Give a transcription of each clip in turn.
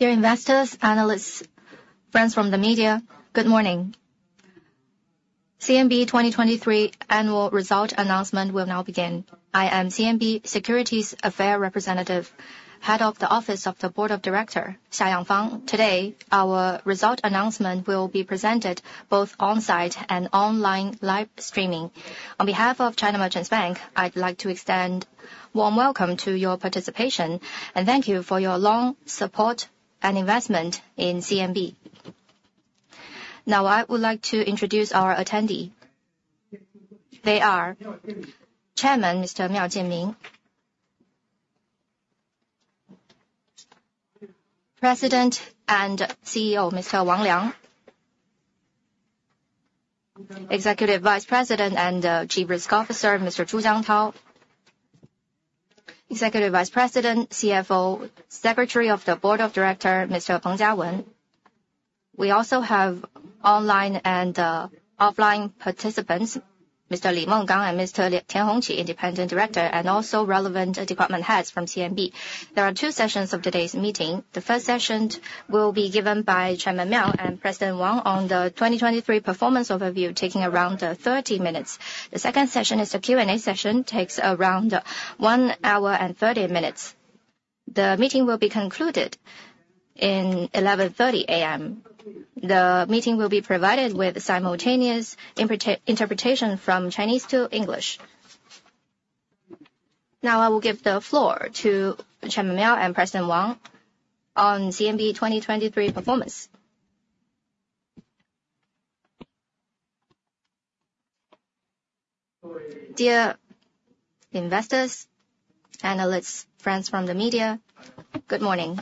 Dear investors, analysts, friends from the media, good morning. CMB 2023 annual result announcement will now begin. I am CMB Securities Affairs Representative, Head of the Office of the Board of Directors, Xia Yangfang. Today, our result announcement will be presented both on-site and online live streaming. On behalf of China Merchants Bank, I'd like to extend a warm welcome to your participation, and thank you for your long support and investment in CMB. Now, I would like to introduce our attendees. They are: Chairman Mr. Miao Jianmin, President and CEO Mr. Wang Liang, Executive Vice President and Chief Risk Officer Mr. Zhou Jiangtao, Executive Vice President, CFO, Secretary of the Board of Directors Mr. Peng Jiawen. We also have online and offline participants: Mr. Li Menggang and Mr. Tian Hongqi, Independent Directors, and also relevant department heads from CMB. There are two sessions of today's meeting. The first session will be given by Chairman Miao and President Wang on the 2023 performance overview, taking around 30 minutes. The second session is a Q&A session, takes around 1 hour and 30 minutes. The meeting will be concluded at 11:30 A.M. The meeting will be provided with simultaneous interpretation from Chinese to English. Now, I will give the floor to Chairman Miao and President Wang on CMB 2023 performance. Dear investors, analysts, friends from the media, good morning.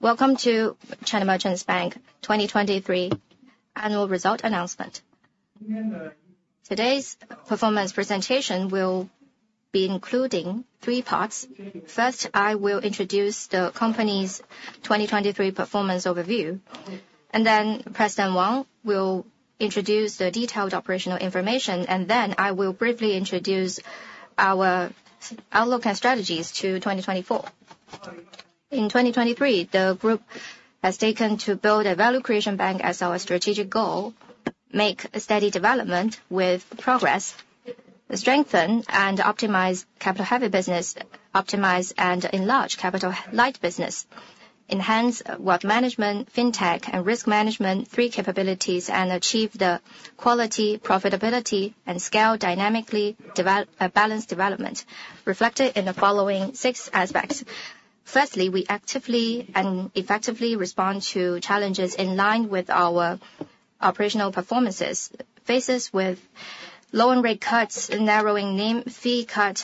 Welcome to China Merchants Bank 2023 annual result announcement. Today's performance presentation will be including three parts. First, I will introduce the company's 2023 performance overview, and then President Wang will introduce the detailed operational information, and then I will briefly introduce our outlook and strategies to 2024. In 2023, the group has taken to build a value creation bank as our strategic goal, make steady development with progress, strengthen and optimize capital-heavy business, optimize and enlarge capital-light business, enhance wealth management, fintech, and risk management three capabilities, and achieve the quality, profitability, and scale-dynamically balanced development reflected in the following six aspects. Firstly, we actively and effectively respond to challenges in line with our operational performance. Faced with low interest rate cuts, narrowing fee income,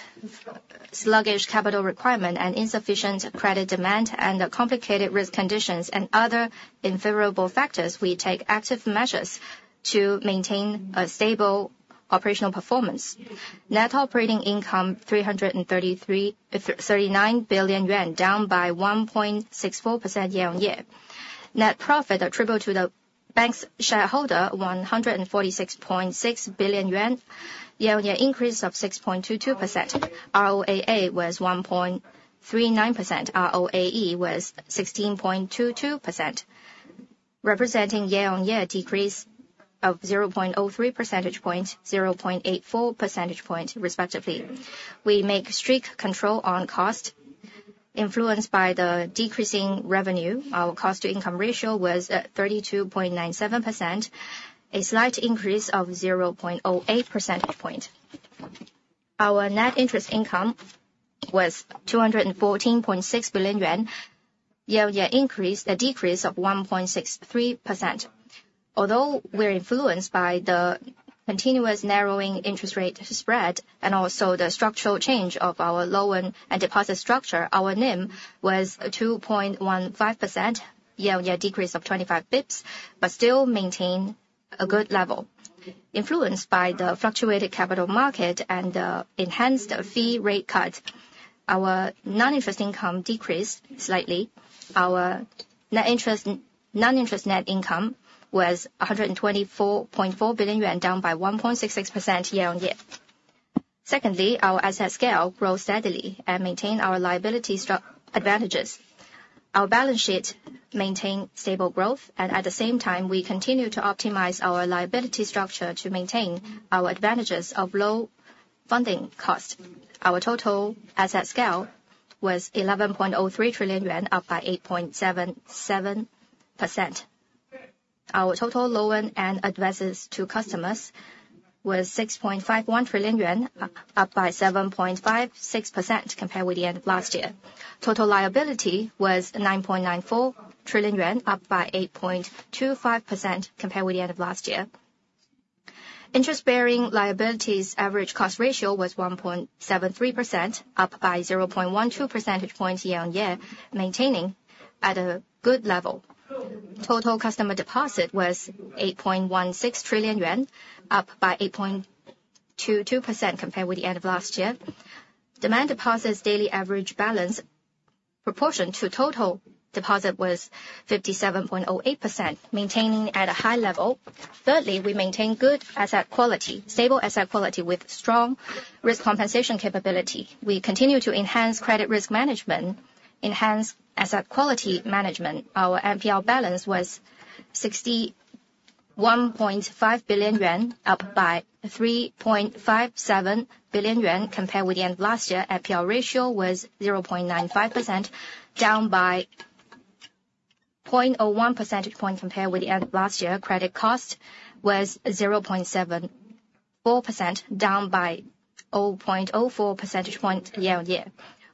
sluggish capital markets and insufficient credit demand, and complicated risk conditions and other unfavorable factors, we take active measures to maintain a stable operational performance. Net operating income: 339 billion yuan, down by 1.64% year-on-year. Net profit attributable to the Bank's shareholders, 146.6 billion yuan, year-on-year increase of 6.22%. ROAA was 1.39%, ROAE was 16.22%, representing year-on-year decrease of 0.03 percentage points, 0.84 percentage points, respectively. We make strict control on cost. Influenced by the decreasing revenue, our cost-to-income ratio was 32.97%, a slight increase of 0.08 percentage points. Our net interest income was 214.6 billion yuan, year-on-year decrease of 1.63%. Although we're influenced by the continuous narrowing interest rate spread and also the structural change of our loan and deposit structure, our NIM was 2.15%, year-on-year decrease of 25 basis points, but still maintained a good level. Influenced by the fluctuating capital market and the enhanced fee rate cut, our non-interest income decreased slightly. Our non-interest net income was 124.4 billion yuan, down by 1.66% year-on-year. Secondly, our asset scale grows steadily and maintains our liability advantages. Our balance sheet maintains stable growth, and at the same time, we continue to optimize our liability structure to maintain our advantages of low funding cost. Our total asset scale was 11.03 trillion yuan, up by 8.77%. Our total loans and advances to customers was 6.51 trillion yuan, up by 7.56% compared with the end of last year. Total liabilities was CNY 9.94 trillion, up by 8.25% compared with the end of last year. Interest-bearing liabilities average cost ratio was 1.73%, up by 0.12 percentage points year-on-year, maintaining at a good level. Total customer deposits was 8.16 trillion yuan, up by 8.22% compared with the end of last year. Demand deposits' daily average balance proportion to total deposits was 57.08%, maintaining at a high level. Thirdly, we maintain good asset quality, stable asset quality with strong risk compensation capability. We continue to enhance credit risk management, enhance asset quality management. Our NPL balance was 61.5 billion yuan, up by 3.57 billion yuan compared with the end of last year. NPL ratio was 0.95%, down by 0.01 percentage point compared with the end of last year. Credit cost was 0.74%, down by 0.04 percentage point year-on-year.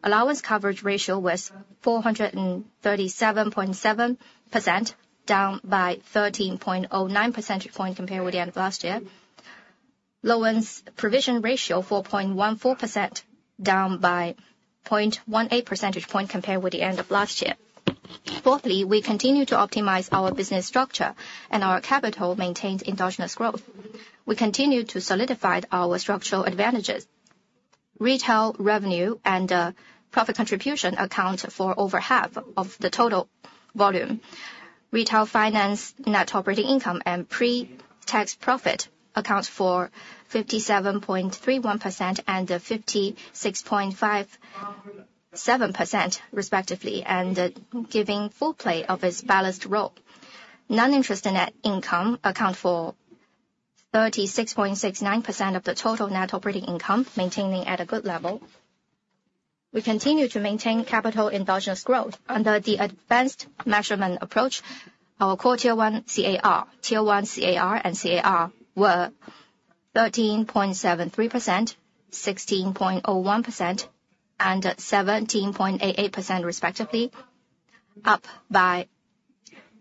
Allowance coverage ratio was 437.7%, down by 13.09 percentage point compared with the end of last year. Loans provision ratio: 4.14%, down by 0.18 percentage point compared with the end of last year. Fourthly, we continue to optimize our business structure, and our capital maintains adequate growth. We continue to solidify our structural advantages. Retail revenue and profit contribution account for over half of the total volume. Retail finance net operating income and pre-tax profit account for 57.31% and 56.57%, respectively, and giving full play of its balanced role. Non-interest net income account for 36.69% of the total net operating income, maintaining at a good level. We continue to maintain capital adequate growth. Under the advanced measurement approach, our quarter one CAR, tier one CAR and CAR were 13.73%, 16.01%, and 17.88%, respectively, up by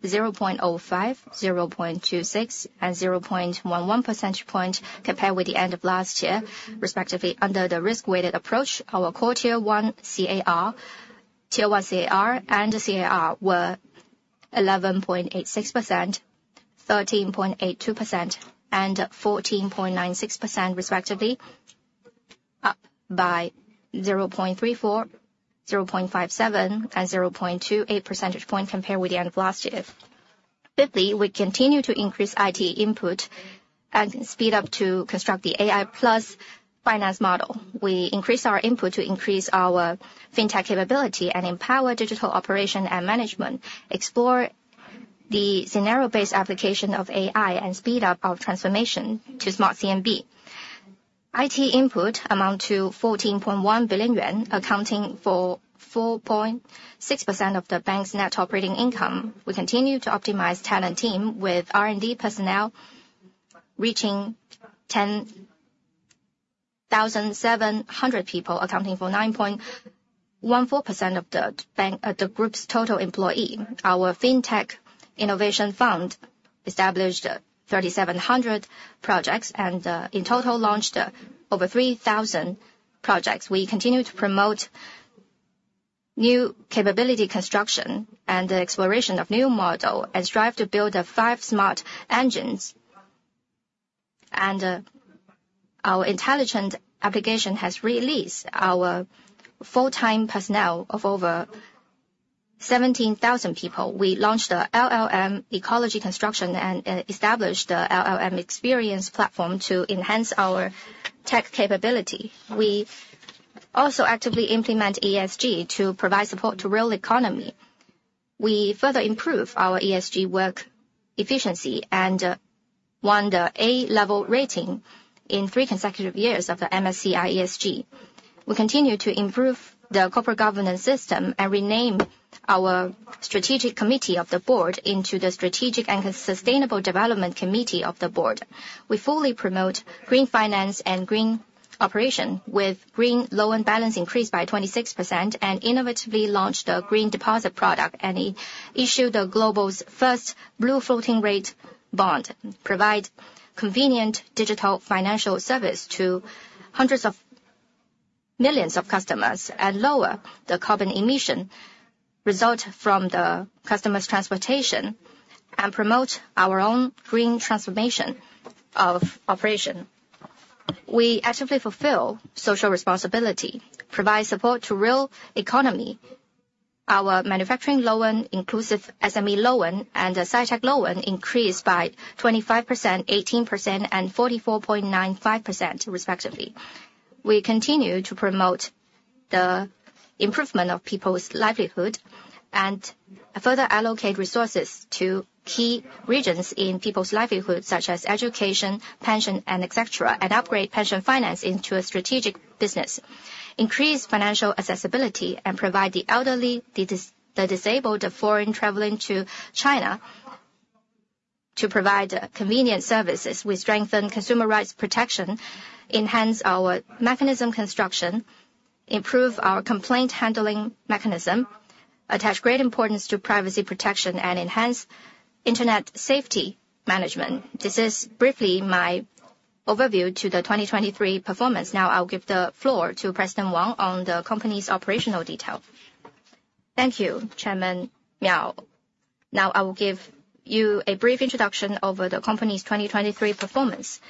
0.05%, 0.26%, and 0.11 percentage points compared with the end of last year, respectively. Under the risk-weighted approach, our quarter one CAR, tier one CAR and CAR were 11.86%, 13.82%, and 14.96%, respectively, up by 0.34%, 0.57%, and 0.28 percentage points compared with the end of last year. Fifthly, we continue to increase IT input and speed up to construct the AI+ finance model. We increase our input to increase our fintech capability and empower digital operation and management, explore the scenario-based application of AI, and speed up our transformation to smart CMB. IT input amounted to 14.1 billion yuan, accounting for 4.6% of the bank's net operating income. We continue to optimize talent team with R&D personnel reaching 10,700 people, accounting for 9.14% of the group's total employees. Our Fintech Innovation Fund established 3,700 projects and in total launched over 3,000 projects. We continue to promote new capability construction and exploration of new models, and strive to build 5 smart engines. Our intelligent application has released our full-time personnel of over 17,000 people. We launched LLM ecology construction and established the LLM experience platform to enhance our tech capability. We also actively implement ESG to provide support to the real economy. We further improve our ESG work efficiency and won the A-level rating in 3 consecutive years of the MSCI ESG. We continue to improve the corporate governance system and rename our strategic committee of the board into the Strategic and Sustainable Development Committee of the board. We fully promote green finance and green operation with green loan balance increased by 26%, and innovatively launched the Green Deposit product and issued the global's first blue floating rate bond. We provide convenient digital financial service to hundreds of millions of customers and lower the carbon emission result from the customer's transportation, and promote our own green transformation of operation. We actively fulfill social responsibility, provide support to the real economy. Our manufacturing loan, inclusive SME loan, and CyTech loan increased by 25%, 18%, and 44.95%, respectively. We continue to promote the improvement of people's livelihood and further allocate resources to key regions in people's livelihood, such as education, pension, etc., and upgrade pension finance into a strategic business. We increase financial accessibility and provide the elderly, the disabled, the foreign traveling to China to provide convenient services. We strengthen consumer rights protection, enhance our mechanism construction, improve our complaint handling mechanism, attach great importance to privacy protection, and enhance internet safety management. This is briefly my overview to the 2023 performance. Now, I'll give the floor to President Wang on the company's operational detail. Thank you, Chairman Miao. Now, I will give you a brief introduction over the company's 2023 performance.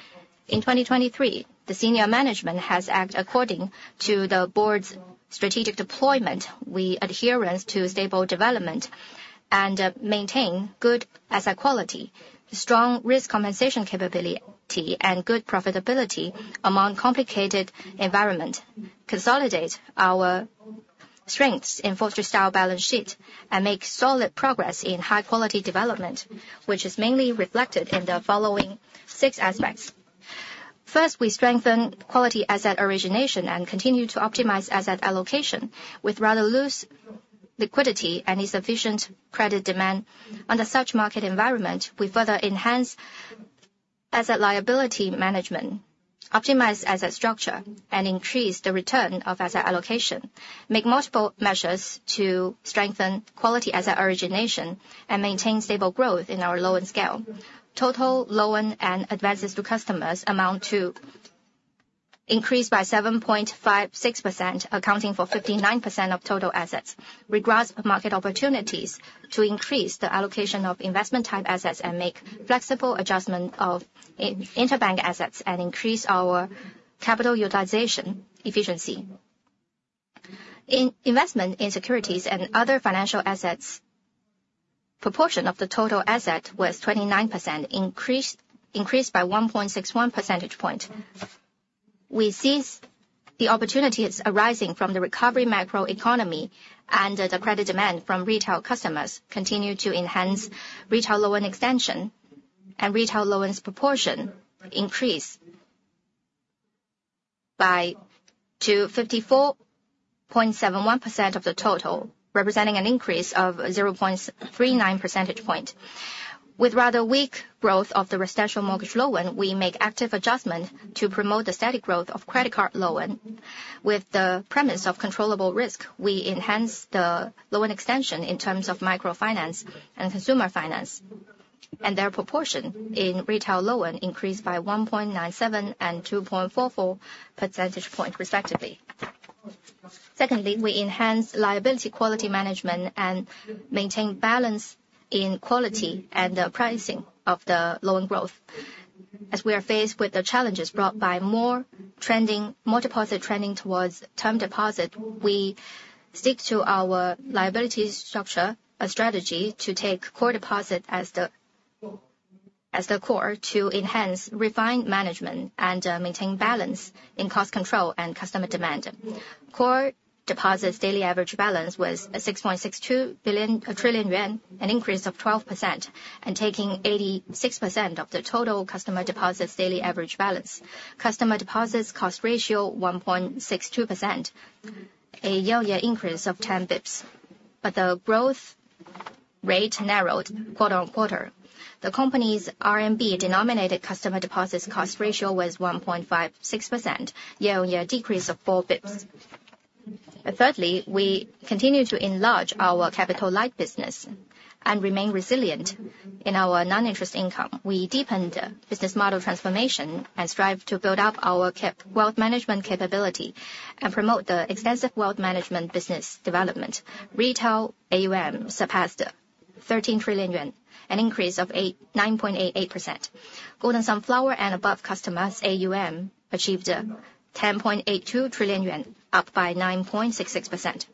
In 2023, the senior management has acted according to the board's strategic deployment, we adherence to stable development, and maintain good asset quality, strong risk compensation capability, and good profitability among complicated environments. Consolidate our strengths in fortress-style balance sheet and make solid progress in high-quality development, which is mainly reflected in the following six aspects. First, we strengthen quality asset origination and continue to optimize asset allocation with rather loose liquidity and insufficient credit demand. Under such market environment, we further enhance asset liability management, optimize asset structure, and increase the return of asset allocation. Make multiple measures to strengthen quality asset origination and maintain stable growth in our loan scale. Total loans and advances to customers amount to increase by 7.56%, accounting for 59% of total assets. Regrasp market opportunities to increase the allocation of investment-type assets and make flexible adjustments of interbank assets and increase our capital utilization efficiency. In investment in securities and other financial assets, proportion of the total assets was 29%, increased by 1.61 percentage point. We seize the opportunities arising from the recovery macroeconomy and the credit demand from retail customers, continue to enhance retail loan extension, and retail loans' proportion increase to 54.71% of the total, representing an increase of 0.39 percentage point. With rather weak growth of the residential mortgage loan, we make active adjustments to promote the steady growth of credit card loan. With the premise of controllable risk, we enhance the loan extension in terms of microfinance and consumer finance, and their proportion in retail loan increase by 1.97% and 2.44 percentage points, respectively. Secondly, we enhance liability quality management and maintain balance in quality and pricing of the loan growth. As we are faced with the challenges brought by more deposit trending towards term deposit, we stick to our liability structure, a strategy to take core deposit as the core to enhance refined management and maintain balance in cost control and customer demand. Core deposit's daily average balance was 6.62 trillion yuan, an increase of 12%, and taking 86% of the total customer deposit's daily average balance. Customer deposit's cost ratio: 1.62%, a year-on-year increase of 10 basis points. But the growth rate narrowed quarter-on-quarter. The company's RMB-denominated customer deposit's cost ratio was 1.56%, year-on-year decrease of 4 basis points. Thirdly, we continue to enlarge our capital light business and remain resilient in our non-interest income. We deepened business model transformation and strive to build up our wealth management capability and promote the extensive wealth management business development. Retail AUM surpassed 13 trillion yuan, an increase of 9.88%. Golden Sunflower and above customers' AUM achieved 10.82 trillion yuan, up by 9.66%.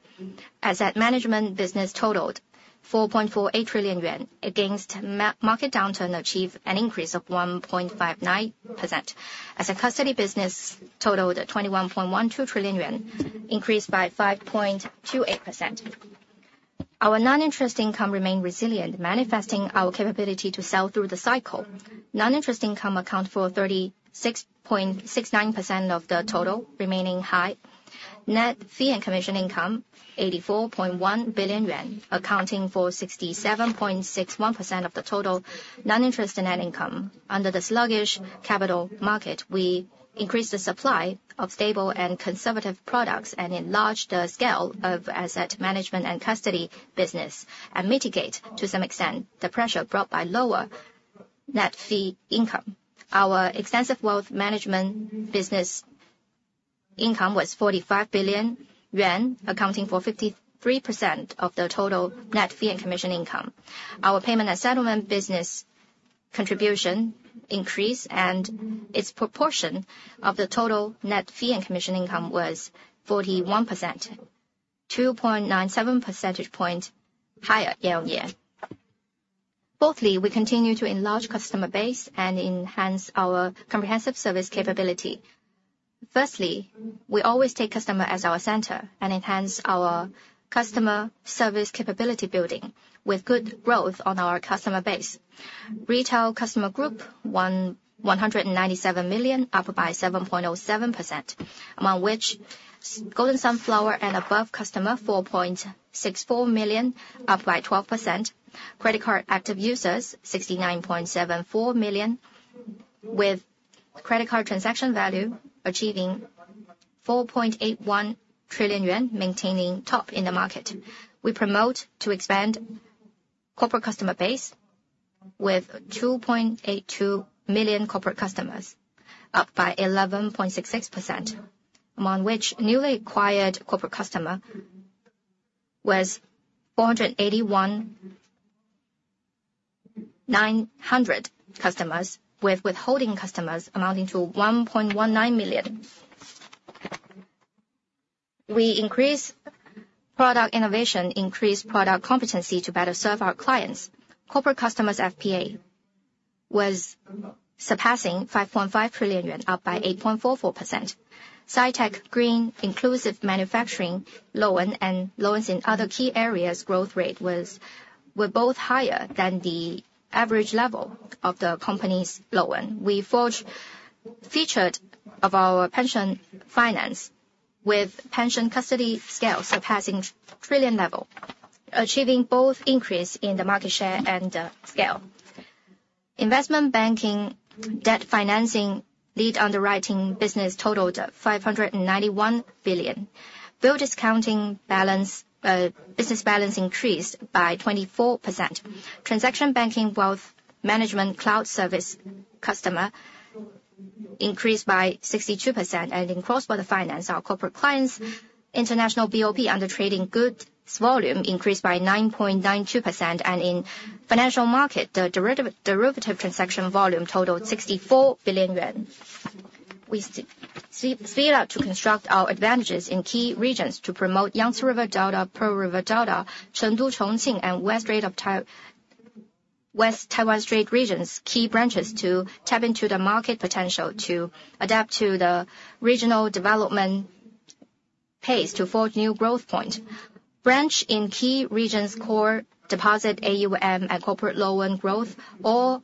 Asset management business totaled 4.48 trillion yuan, against market downturn achieved an increase of 1.59%. Asset custody business totaled 21.12 trillion yuan, increased by 5.28%. Our non-interest income remained resilient, manifesting our capability to sell through the cycle. Non-interest income account for 36.69% of the total, remaining high. Net fee and commission income: 84.1 billion yuan, accounting for 67.61% of the total non-interest net income. Under the sluggish capital market, we increase the supply of stable and conservative products and enlarge the scale of asset management and custody business, and mitigate to some extent the pressure brought by lower net fee income. Our extensive wealth management business income was 45 billion yuan, accounting for 53% of the total net fee and commission income. Our payment and settlement business contribution increase, and its proportion of the total net fee and commission income was 41%, 2.97 percentage points higher year-on-year. Fourthly, we continue to enlarge customer base and enhance our comprehensive service capability. Firstly, we always take customer as our center and enhance our customer service capability building with good growth on our customer base. Retail customer group: 197 million, up by 7.07%, among which Golden Sunflower and above customer: 4.64 million, up by 12%. Credit card active users: 69.74 million, with credit card transaction value achieving 4.81 trillion yuan, maintaining top in the market. We promote to expand corporate customer base with 2.82 million corporate customers, up by 11.66%, among which newly acquired corporate customer was 481,900 customers, with withholding customers amounting to 1.19 million. We increase product innovation, increase product competency to better serve our clients. Corporate customers' FPA was surpassing 5.5 trillion yuan, up by 8.44%. CyTech Green Inclusive Manufacturing loan and loans in other key areas' growth rate were both higher than the average level of the company's loan. We forged featured of our pension finance with pension custody scale surpassing trillion level, achieving both increase in the market share and scale. Investment banking debt financing lead underwriting business totaled 591 billion. Bill discounting business balance increased by 24%. Transaction banking wealth management cloud service customer increased by 62%, and in cross-border finance, our corporate clients' international BOP under trading goods volume increased by 9.92%, and in financial market, the derivative transaction volume totaled 64 billion yuan. We speed up to construct our advantages in key regions to promote Yangtze River Delta, Pearl River Delta, Chengdu, Chongqing, and West Taiwan Strait region's key branches to tap into the market potential, to adapt to the regional development pace, to forge new growth points. Branch in key regions' core deposit AUM and corporate loan growth all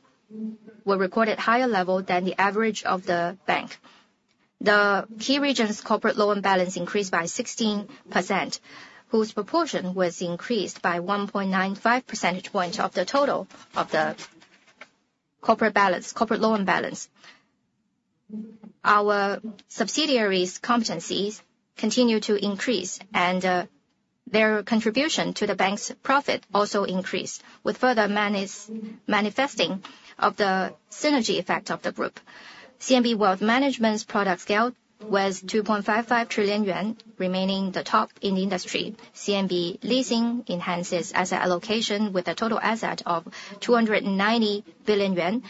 were recorded higher level than the average of the bank. The key regions' corporate loan balance increased by 16%, whose proportion was increased by 1.95 percentage points of the total of the corporate loan balance. Our subsidiaries' competencies continue to increase, and their contribution to the bank's profit also increased, with further manifesting of the synergy effect of the group. CMB Wealth Management's product scale was 2.55 trillion yuan, remaining the top in the industry. CMB Leasing enhances asset allocation with a total asset of 290 billion yuan.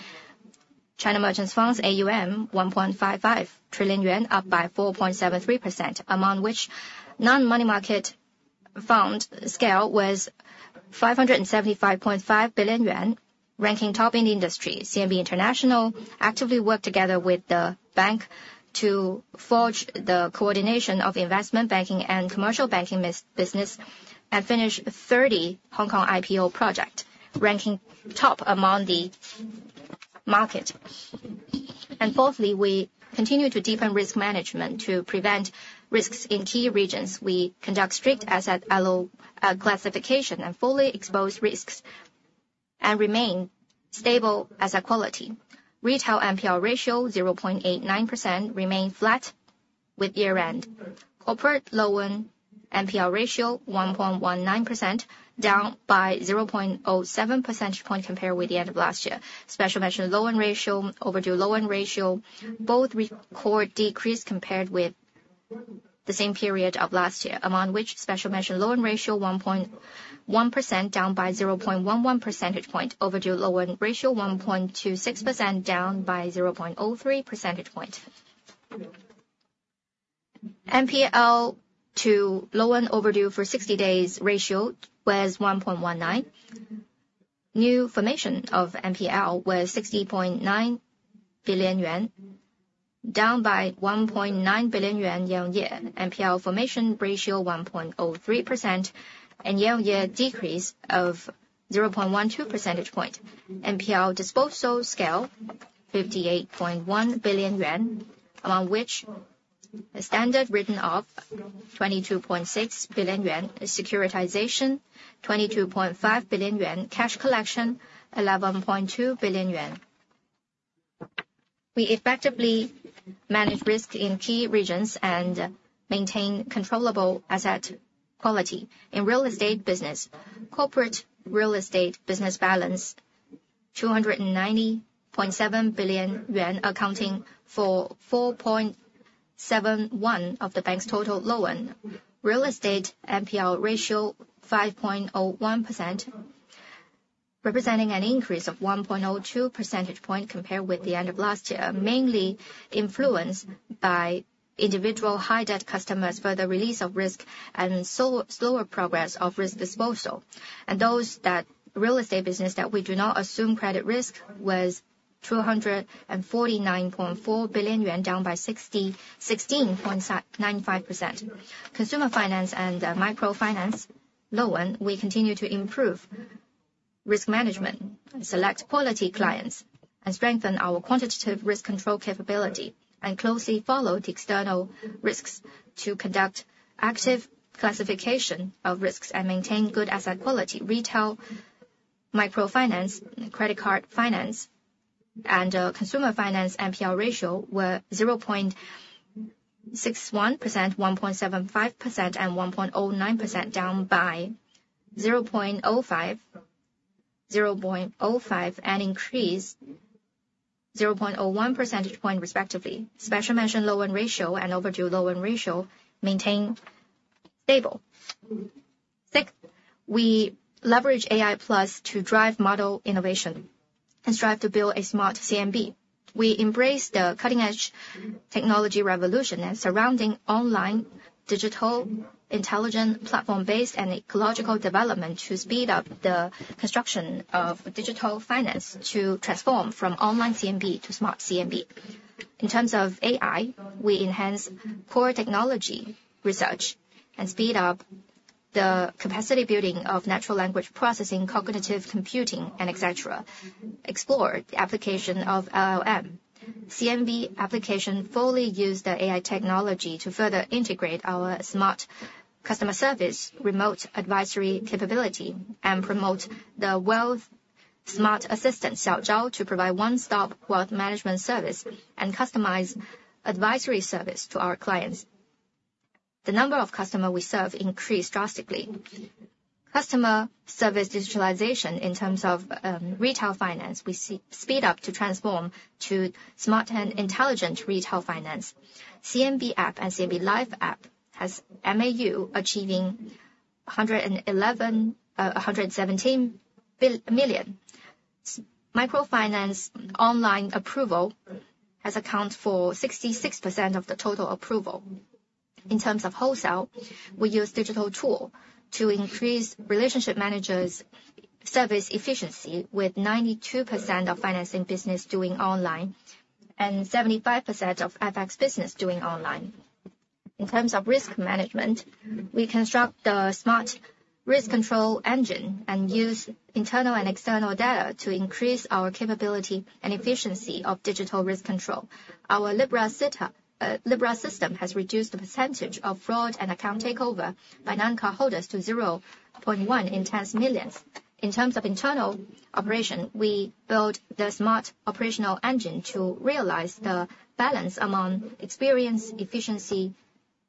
China Merchants Fund's AUM: 1.55 trillion yuan, up by 4.73%, among which non-money market fund scale was 575.5 billion yuan, ranking top in the industry. CMB International actively worked together with the bank to forge the coordination of investment banking and commercial banking business and finish 30 Hong Kong IPO projects, ranking top among the market. And fourthly, we continue to deepen risk management to prevent risks in key regions. We conduct strict asset classification and fully expose risks, and remain stable asset quality. Retail NPL ratio: 0.89%, remained flat with year-end. Corporate loan NPL ratio: 1.19%, down by 0.07 percentage point compared with the end of last year. Special mention loan ratio/overdue loan ratio both record decrease compared with the same period of last year, among which special mention loan ratio: 1.1%, down by 0.11 percentage point. Overdue loan ratio: 1.26%, down by 0.03 percentage point. NPL to loan overdue for 60 days ratio was 1.19. New formation of NPL was 60.9 billion yuan, down by 1.9 billion yuan year-on-year. NPL formation ratio: 1.03%, and year-on-year decrease of 0.12 percentage point. NPL disposal scale: 58.1 billion yuan, among which standard written off: 22.6 billion yuan. Securitization: 22.5 billion yuan. Cash collection: 11.2 billion yuan. We effectively manage risk in key regions and maintain controllable asset quality. In real estate business, corporate real estate business balance: 290.7 billion yuan, accounting for 4.71% of the bank's total loan. Real estate NPL ratio: 5.01%, representing an increase of 1.02 percentage point compared with the end of last year, mainly influenced by individual high-debt customers' further release of risk and slower progress of risk disposal. Those that real estate business that we do not assume credit risk was 249.4 billion yuan, down by 16.95%. Consumer finance and microfinance loan, we continue to improve risk management, select quality clients, and strengthen our quantitative risk control capability, and closely follow the external risks to conduct active classification of risks and maintain good asset quality. Retail microfinance, credit card finance, and consumer finance NPL ratio were 0.61%, 1.75%, and 1.09%, down by 0.05% and increased 0.01 percentage point, respectively. Special mention loan ratio and overdue loan ratio maintain stable. Sixth, we leverage AI Plus to drive model innovation and strive to build a smart CMB. We embrace the cutting-edge technology revolution surrounding online digital intelligence platform-based and ecological development to speed up the construction of digital finance to transform from online CMB to smart CMB. In terms of AI, we enhance core technology research and speed up the capacity building of natural language processing, cognitive computing, and etc. Explore the application of LLM. CMB application fully use the AI technology to further integrate our smart customer service remote advisory capability and promote the wealth smart assistant Xiao Zhao to provide one-stop wealth management service and customize advisory service to our clients. The number of customers we serve increased drastically. Customer service digitalization in terms of retail finance, we speed up to transform to smart and intelligent retail finance. CMB app and CMB live app has MAU achieving 117 million. Microfinance online approval has account for 66% of the total approval. In terms of wholesale, we use digital tool to increase relationship managers' service efficiency, with 92% of financing business doing online and 75% of FX business doing online. In terms of risk management, we construct the smart risk control engine and use internal and external data to increase our capability and efficiency of digital risk control. Our Libra system has reduced the percentage of fraud and account takeover by non-cardholders to 0.1 incidents per million. In terms of internal operation, we build the smart operational engine to realize the balance among experience, efficiency,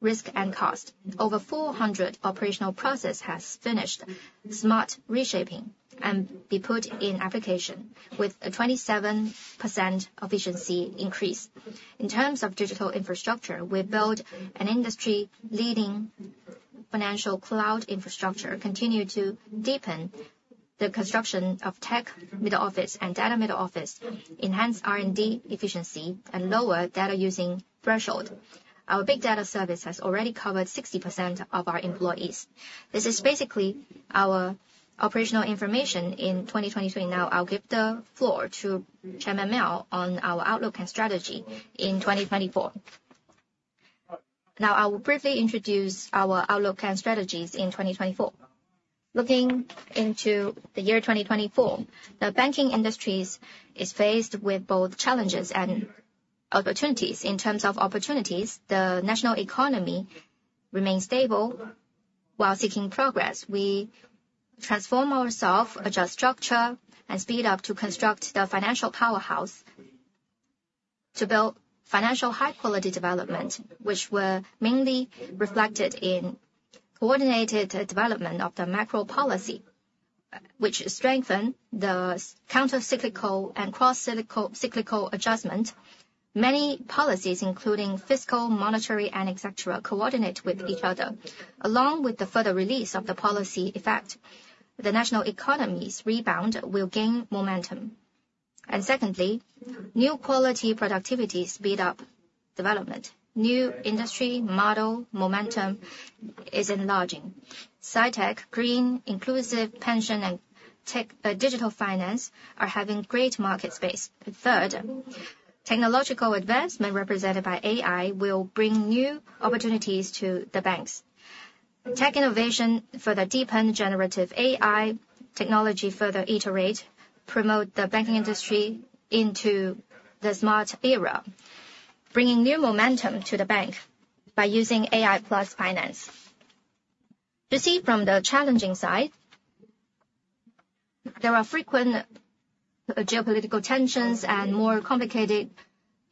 risk, and cost. Over 400 operational processes have finished smart reshaping and be put in application, with a 27% efficiency increase. In terms of digital infrastructure, we build an industry-leading financial cloud infrastructure, continue to deepen the construction of tech middle office and data middle office, enhance R&D efficiency, and lower data using threshold. Our big data service has already covered 60% of our employees. This is basically our operational information in 2023. Now, I'll give the floor to Chairman Miao on our outlook and strategy in 2024. Now, I will briefly introduce our outlook and strategies in 2024. Looking into the year 2024, the banking industries are faced with both challenges and opportunities. In terms of opportunities, the national economy remains stable while seeking progress. We transform ourselves, adjust structure, and speed up to construct the financial powerhouse to build financial high-quality development, which were mainly reflected in coordinated development of the macro policy, which strengthened the countercyclical and cross-cyclical adjustment. Many policies, including fiscal, monetary, and etc., coordinate with each other. Along with the further release of the policy effect, the national economy's rebound will gain momentum. And secondly, new quality productivity speeds up development. New industry model momentum is enlarging. Fintech, green, inclusive pension, and digital finance are having great market space. Third, technological advancement represented by AI will bring new opportunities to the banks. Tech innovation further deepens generative AI technology, further iterates, promotes the banking industry into the smart era, bringing new momentum to the bank by using AI+ finance. To see from the challenging side, there are frequent geopolitical tensions and more complicated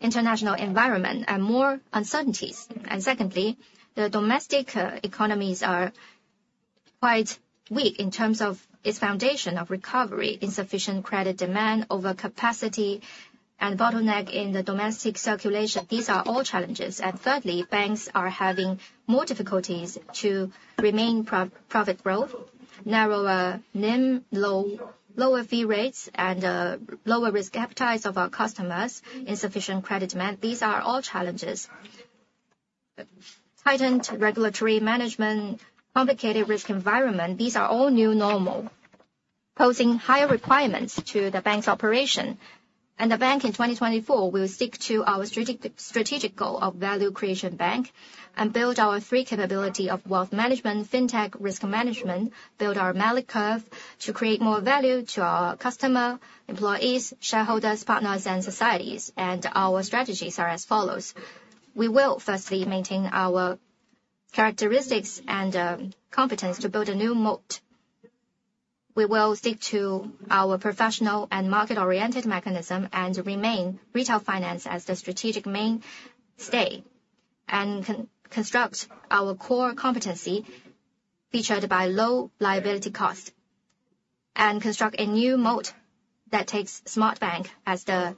international environment and more uncertainties. Secondly, the domestic economies are quite weak in terms of its foundation of recovery, insufficient credit demand over capacity, and bottleneck in the domestic circulation. These are all challenges. Thirdly, banks are having more difficulties to remain profit growth, narrower NIM, lower fee rates, and lower risk appetites of our customers, insufficient credit demand. These are all challenges. Tightened regulatory management, complicated risk environment, these are all new normal, posing higher requirements to the bank's operation. The bank in 2024 will stick to our strategic goal of value creation bank and build our three capabilities of wealth management, fintech, risk management, build our MALI curve to create more value to our customers, employees, shareholders, partners, and societies. Our strategies are as follows. We will firstly maintain our characteristics and competence to build a new moat. We will stick to our professional and market-oriented mechanism and remain retail finance as the strategic mainstay and construct our core competency featured by low liability cost and construct a new moat that takes smart bank as the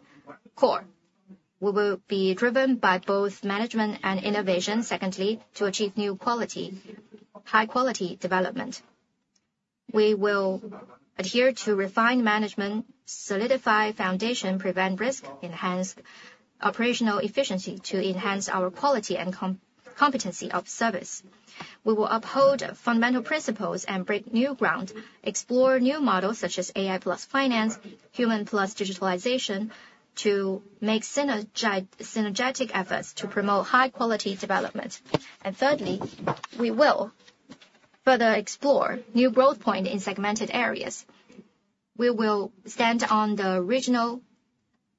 core. We will be driven by both management and innovation, secondly, to achieve new quality, high-quality development. We will adhere to refine management, solidify foundation, prevent risk, enhance operational efficiency to enhance our quality and competency of service. We will uphold fundamental principles and break new ground, explore new models such as AI+ finance, human plus digitalization to make synergetic efforts to promote high-quality development. And thirdly, we will further explore new growth points in segmented areas. We will stand on the regional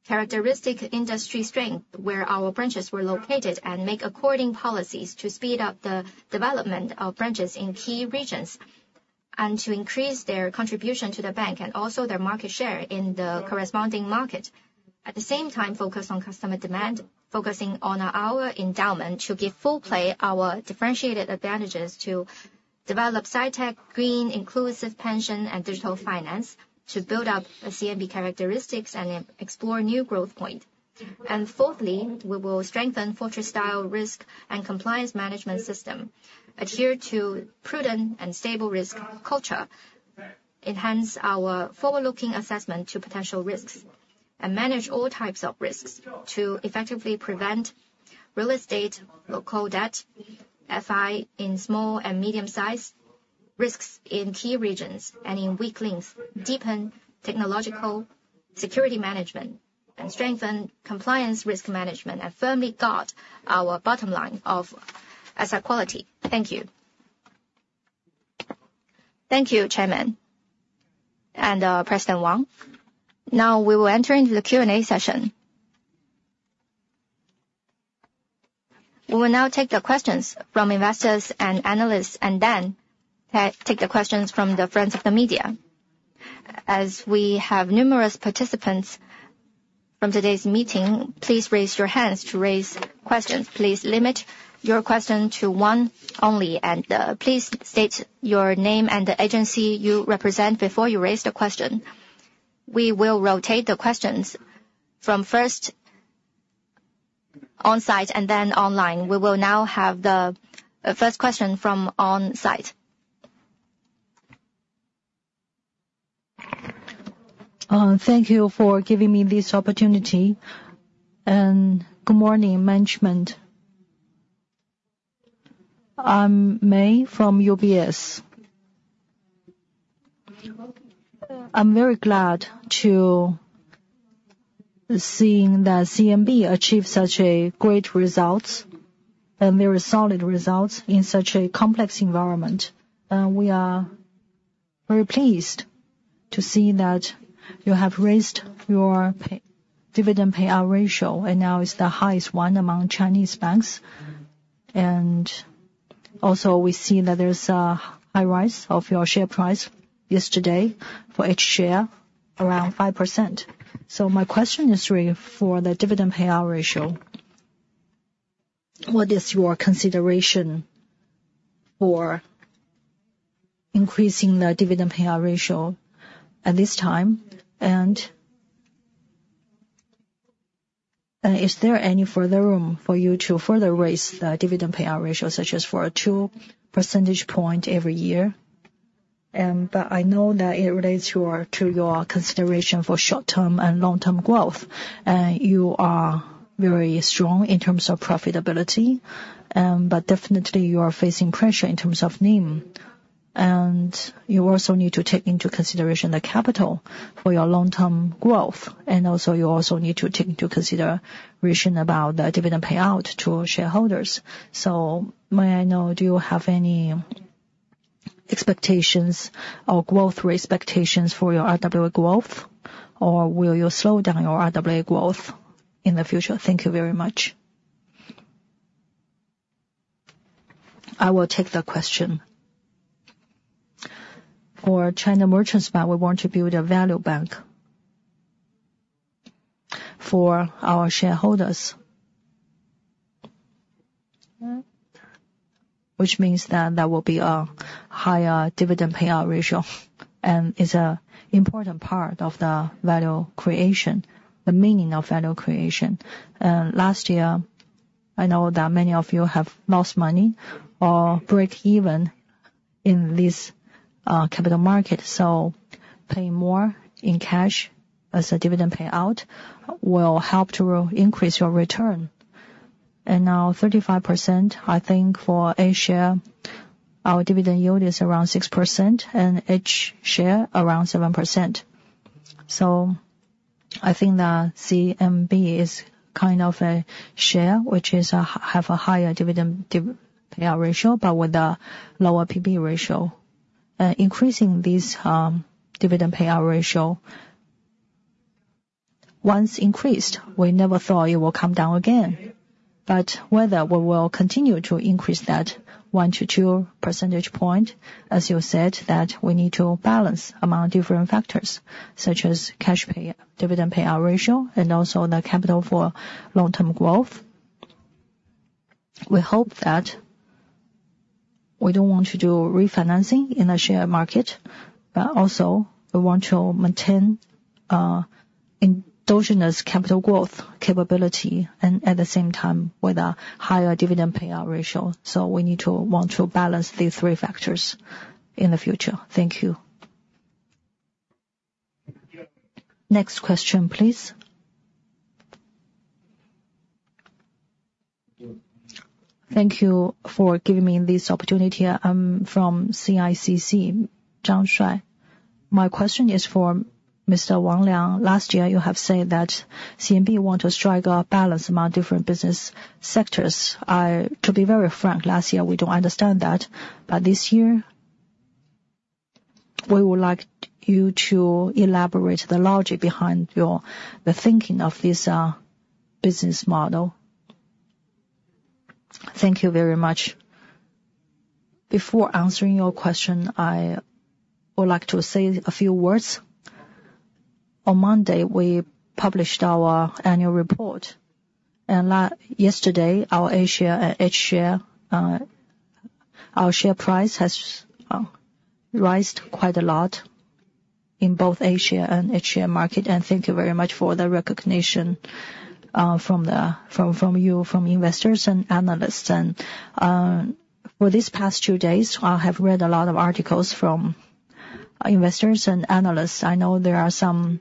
characteristic industry strength where our branches were located and make corresponding policies to speed up the development of branches in key regions and to increase their contribution to the bank and also their market share in the corresponding market. At the same time, focus on customer demand, focusing on our endowment to give full play to our differentiated advantages to develop FinTech, Green, Inclusive, Pension and Digital Finance to build up CMB characteristics and explore new growth points. And fourthly, we will strengthen Fortress-style risk and compliance management system, adhere to prudent and stable risk culture, enhance our forward-looking assessment to potential risks, and manage all types of risks to effectively prevent real estate local debt, FI in small and medium-sized risks in key regions and in weak links, deepen technological security management, and strengthen compliance risk management and firmly guard our bottom line of asset quality. Thank you. Thank you, Chairman and President Wang. Now, we will enter into the Q&A session. We will now take the questions from investors and analysts and then take the questions from the friends of the media. As we have numerous participants from today's meeting, please raise your hands to raise questions. Please limit your question to one only, and please state your name and the agency you represent before you raise the question. We will rotate the questions from first on-site and then online. We will now have the first question from on-site. Thank you for giving me this opportunity. And good morning, management. I'm May from UBS. I'm very glad to be seeing that CMB achieved such great results and very solid results in such a complex environment. We are very pleased to see that you have raised your dividend payout ratio, and now it's the highest one among Chinese banks. And also, we see that there's a high rise of your share price yesterday for each share, around 5%. So my question is really for the dividend payout ratio. What is your consideration for increasing the dividend payout ratio at this time? And is there any further room for you to further raise the dividend payout ratio, such as for a 2 percentage point every year? But I know that it relates to your consideration for short-term and long-term growth. You are very strong in terms of profitability, but definitely, you are facing pressure in terms of NIM. You also need to take into consideration the capital for your long-term growth. You also need to take into consideration about the dividend payout to shareholders. So May, I know, do you have any expectations or growth expectations for your RWA growth, or will you slow down your RWA growth in the future? Thank you very much. I will take the question. For China Merchants Bank, we want to build a value bank for our shareholders, which means that that will be a higher dividend payout ratio and is an important part of the value creation, the meaning of value creation. Last year, I know that many of you have lost money or break even in this capital market. Paying more in cash as a dividend payout will help to increase your return. Now, 35%, I think, for each share. Our dividend yield is around 6% and each share around 7%. I think that CMB is kind of a share which has a higher dividend payout ratio but with a lower PB ratio. Increasing this dividend payout ratio, once increased, we never thought it would come down again. Whether we will continue to increase that 1-2 percentage point, as you said, that we need to balance among different factors such as cash payout, dividend payout ratio, and also the capital for long-term growth. We hope that we don't want to do refinancing in the share market, but also, we want to maintain adequate capital growth capability and at the same time with a higher dividend payout ratio. So we need to balance these three factors in the future. Thank you. Next question, please. Thank you for giving me this opportunity. I'm from CICC, Zhang Shuaishuai. My question is for Mr. Wang Liang. Last year, you have said that CMB want to strike a balance among different business sectors. To be very frank, last year, we don't understand that. But this year, we would like you to elaborate the logic behind the thinking of this business model. Thank you very much. Before answering your question, I would like to say a few words. On Monday, we published our annual report. Yesterday, our A-share and H-share, our share price has risen quite a lot in both A-share and H-share markets. Thank you very much for the recognition from you, from investors and analysts. For these past two days, I have read a lot of articles from investors and analysts. I know there are some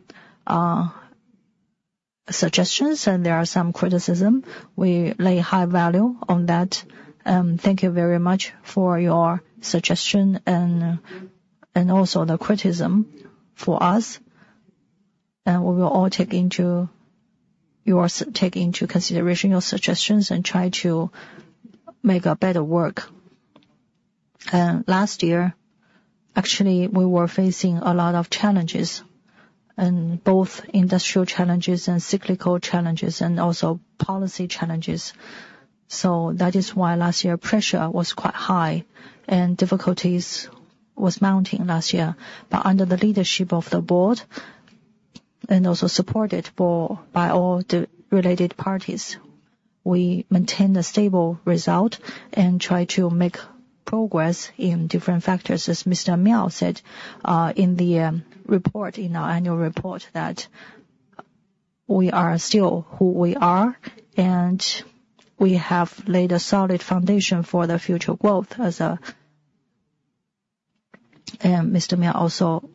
suggestions, and there are some criticism. We lay high value on that. Thank you very much for your suggestion and also the criticism for us. We will all take into consideration your suggestions and try to make better work. Last year, actually, we were facing a lot of challenges, both industrial challenges and cyclical challenges and also policy challenges. That is why last year, pressure was quite high and difficulties were mounting last year. But under the leadership of the board and also supported by all the related parties, we maintained a stable result and tried to make progress in different factors. As Mr. Miao said in the report, in our annual report, that we are still who we are, and we have laid a solid foundation for the future growth. Mr. Miao also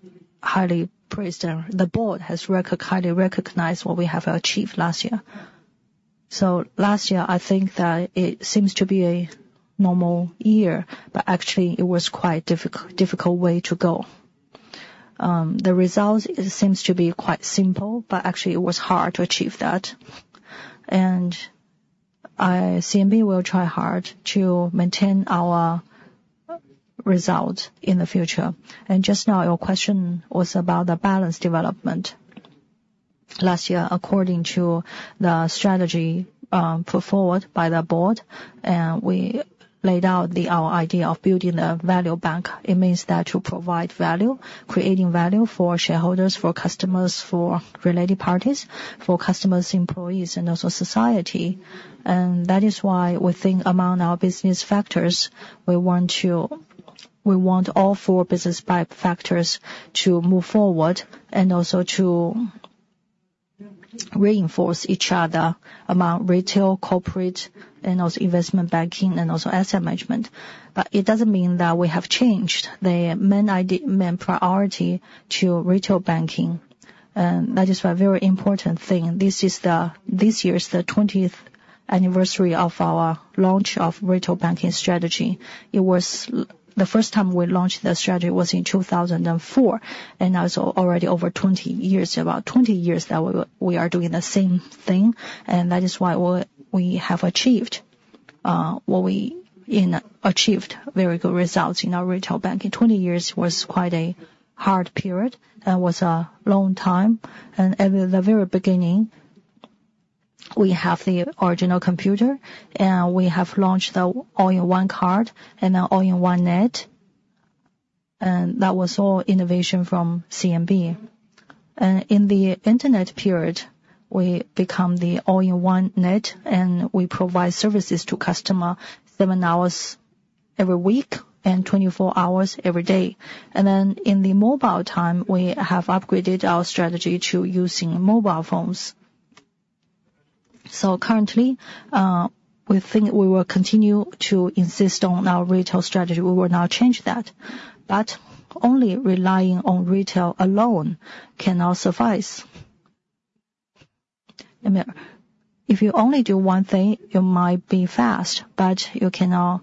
highly praised the board has highly recognized what we have achieved last year. Last year, I think that it seems to be a normal year, but actually, it was quite a difficult way to go. The results seem to be quite simple, but actually, it was hard to achieve that. CMB will try hard to maintain our results in the future. Just now, your question was about the balanced development last year. According to the strategy put forward by the board, and we laid out our idea of building a value bank, it means that to provide value, creating value for shareholders, for customers, for related parties, for customers, employees, and also society. That is why we think among our business factors, we want all four business factors to move forward and also to reinforce each other among retail, corporate, and also investment banking and also asset management. But it doesn't mean that we have changed the main priority to retail banking. That is a very important thing. This year is the 20th anniversary of our launch of retail banking strategy. The first time we launched the strategy was in 2004. Now it's already over 20 years, about 20 years that we are doing the same thing. That is why we have achieved very good results in our retail banking. 20 years was quite a hard period and was a long time. At the very beginning, we have the original computer, and we have launched the All-in-One Card and an All-in-one Net. That was all innovation from CMB. In the internet period, we become the All-in-one Net, and we provide services to customers seven hours every week and 24 hours every day. Then in the mobile time, we have upgraded our strategy to using mobile phones. Currently, we think we will continue to insist on our retail strategy. We will not change that. Only relying on retail alone cannot suffice. If you only do one thing, you might be fast, but you cannot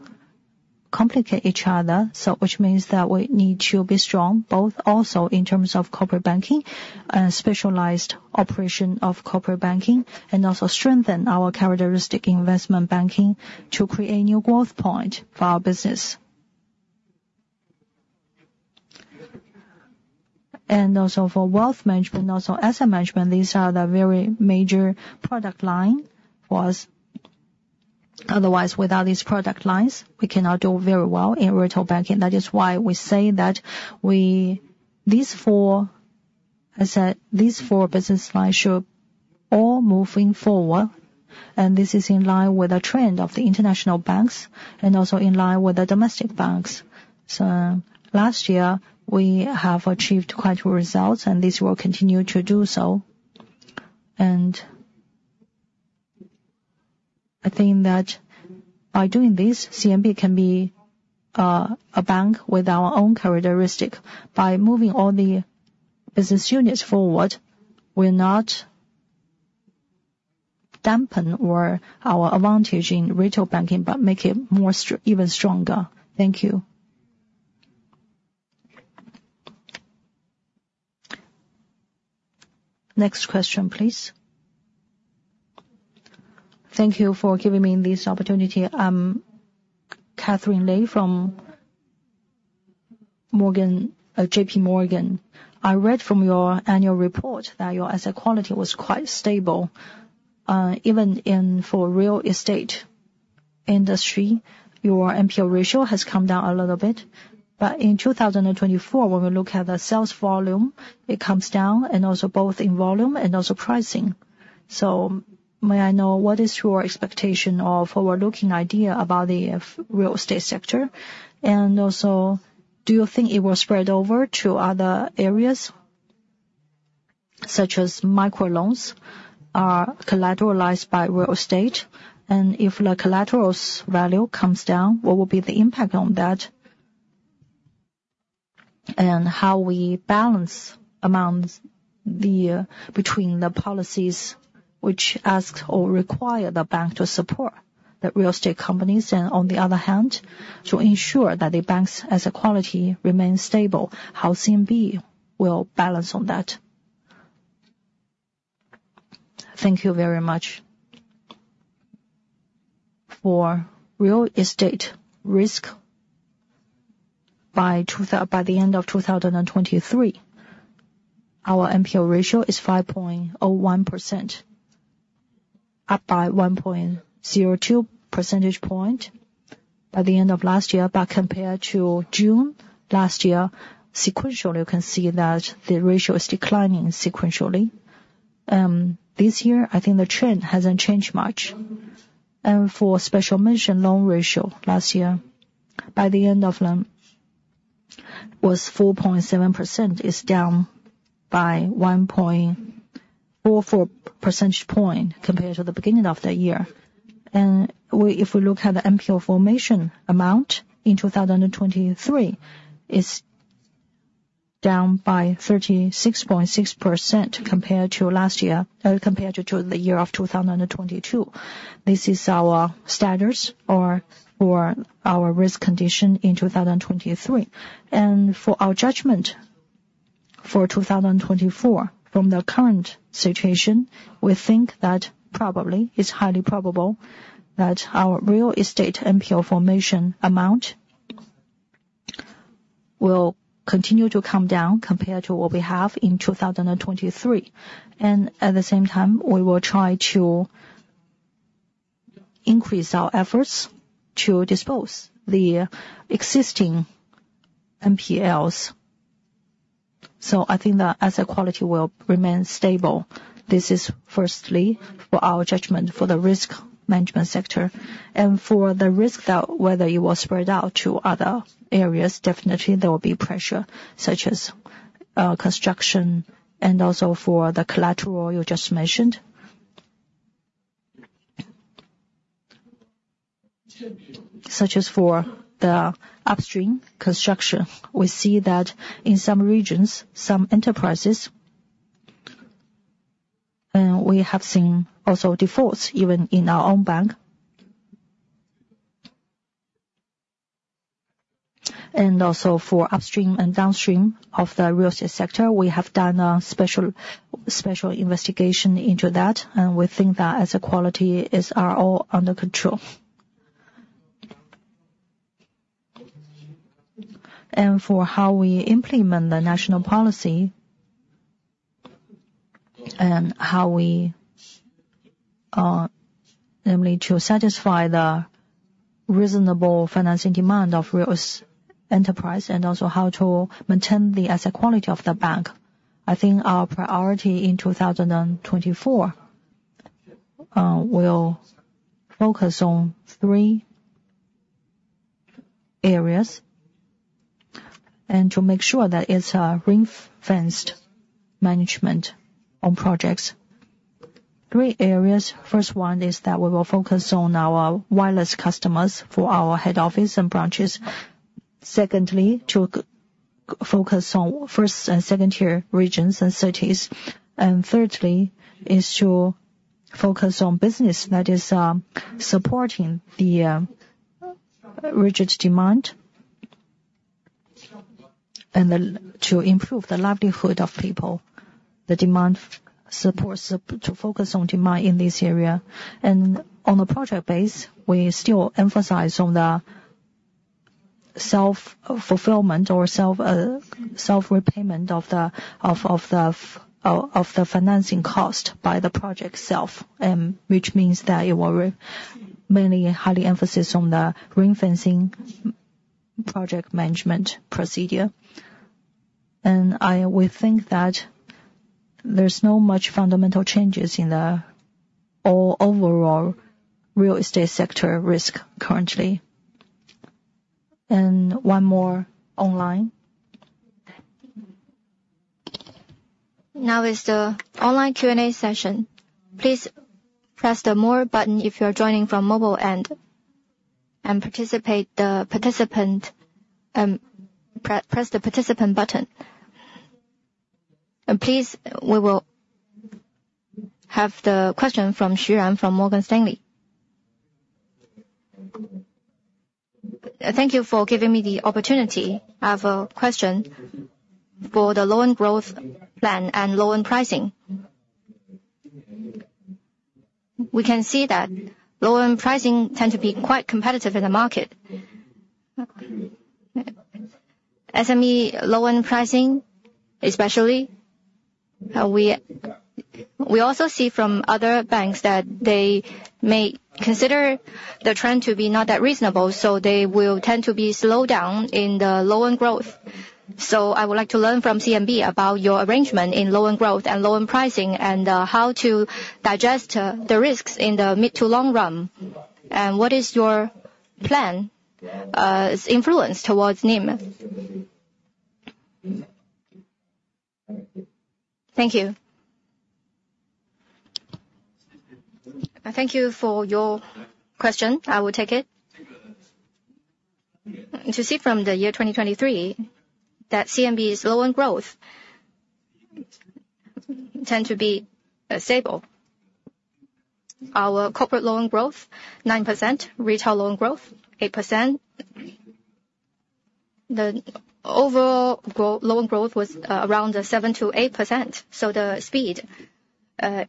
complement each other, which means that we need to be strong both also in terms of corporate banking and specialized operation of corporate banking and also strengthen our characteristic investment banking to create new growth points for our business. And also for wealth management, also asset management, these are the very major product lines. Otherwise, without these product lines, we cannot do very well in retail banking. That is why we say that these four business lines should all move forward. And this is in line with the trend of the international banks and also in line with the domestic banks. So last year, we have achieved quite good results, and these will continue to do so. And I think that by doing this, CMB can be a bank with our own characteristic. By moving all the business units forward, we're not dampening our advantage in retail banking but make it even stronger. Thank you. Next question, please. Thank you for giving me this opportunity. I'm Katherine Lei from J.P. Morgan. I read from your annual report that your asset quality was quite stable even for real estate industry. Your NPL ratio has come down a little bit. But in 2024, when we look at the sales volume, it comes down and also both in volume and also pricing. So may I know, what is your expectation or forward-looking idea about the real estate sector? And also, do you think it will spread over to other areas such as microloans collateralized by real estate? If the collateral's value comes down, what will be the impact on that and how we balance among the policies which ask or require the bank to support the real estate companies and, on the other hand, to ensure that the bank's asset quality remains stable? How CMB will balance on that? Thank you very much. For real estate risk, by the end of 2023, our NPL ratio is 5.01%, up by 1.02 percentage points by the end of last year. But compared to June last year, sequentially, you can see that the ratio is declining sequentially. This year, I think the trend hasn't changed much. And for special mention loan ratio, last year, by the end of the year, was 4.7%, is down by 1.44 percentage points compared to the beginning of the year. If we look at the NPL formation amount in 2023, it's down by 36.6% compared to last year compared to the year of 2022. This is our status or our risk condition in 2023. For our judgment for 2024, from the current situation, we think that probably, it's highly probable that our real estate NPL formation amount will continue to come down compared to what we have in 2023. At the same time, we will try to increase our efforts to dispose of the existing NPLs. So I think that asset quality will remain stable. This is, firstly, for our judgment for the risk management sector. For the risk that whether it will spread out to other areas, definitely, there will be pressure such as construction. And also for the collateral you just mentioned, such as for the upstream construction, we see that in some regions, some enterprises, we have seen also defaults even in our own bank. And also for upstream and downstream of the real estate sector, we have done a special investigation into that. And we think that asset quality is all under control. And for how we implement the national policy and how we, namely, to satisfy the reasonable financing demand of real estate enterprise and also how to maintain the asset quality of the bank, I think our priority in 2024 will focus on three areas and to make sure that it's ring-fenced management on projects. Three areas. First one is that we will focus on our wholesale customers for our head office and branches. Secondly, to focus on first- and second-tier regions and cities. And thirdly, is to focus on business that is supporting the rigid demand and to improve the livelihood of people, the demand support to focus on demand in this area. And on a project basis, we still emphasize on the self-fulfillment or self-repayment of the financing cost by the project itself, which means that it will mainly highly emphasize on the ring-fencing project management procedure. And we think that there's not much fundamental changes in the overall real estate sector risk currently. And one more online. Now is the online Q&A session. Please press the more button if you're joining from mobile end and press the participant button. Please, we will have the question from Xu Ran from Morgan Stanley. Thank you for giving me the opportunity of a question for the loan-growth plan and loan-pricing. We can see that loan-pricing tend to be quite competitive in the market. SME loan-pricing, especially. We also see from other banks that they may consider the trend to be not that reasonable, so they will tend to be slowed down in the loan-growth. So I would like to learn from CMB about your arrangement in loan-growth and loan-pricing and how to digest the risks in the mid- to long run and what is your plan's influence towards NIM. Thank you. Thank you for your question. I will take it. To see from the year 2023 that CMB's loan growth tends to be stable. Our corporate loan growth, 9%. Retail loan growth, 8%. The overall loan growth was around 7%-8%. The speed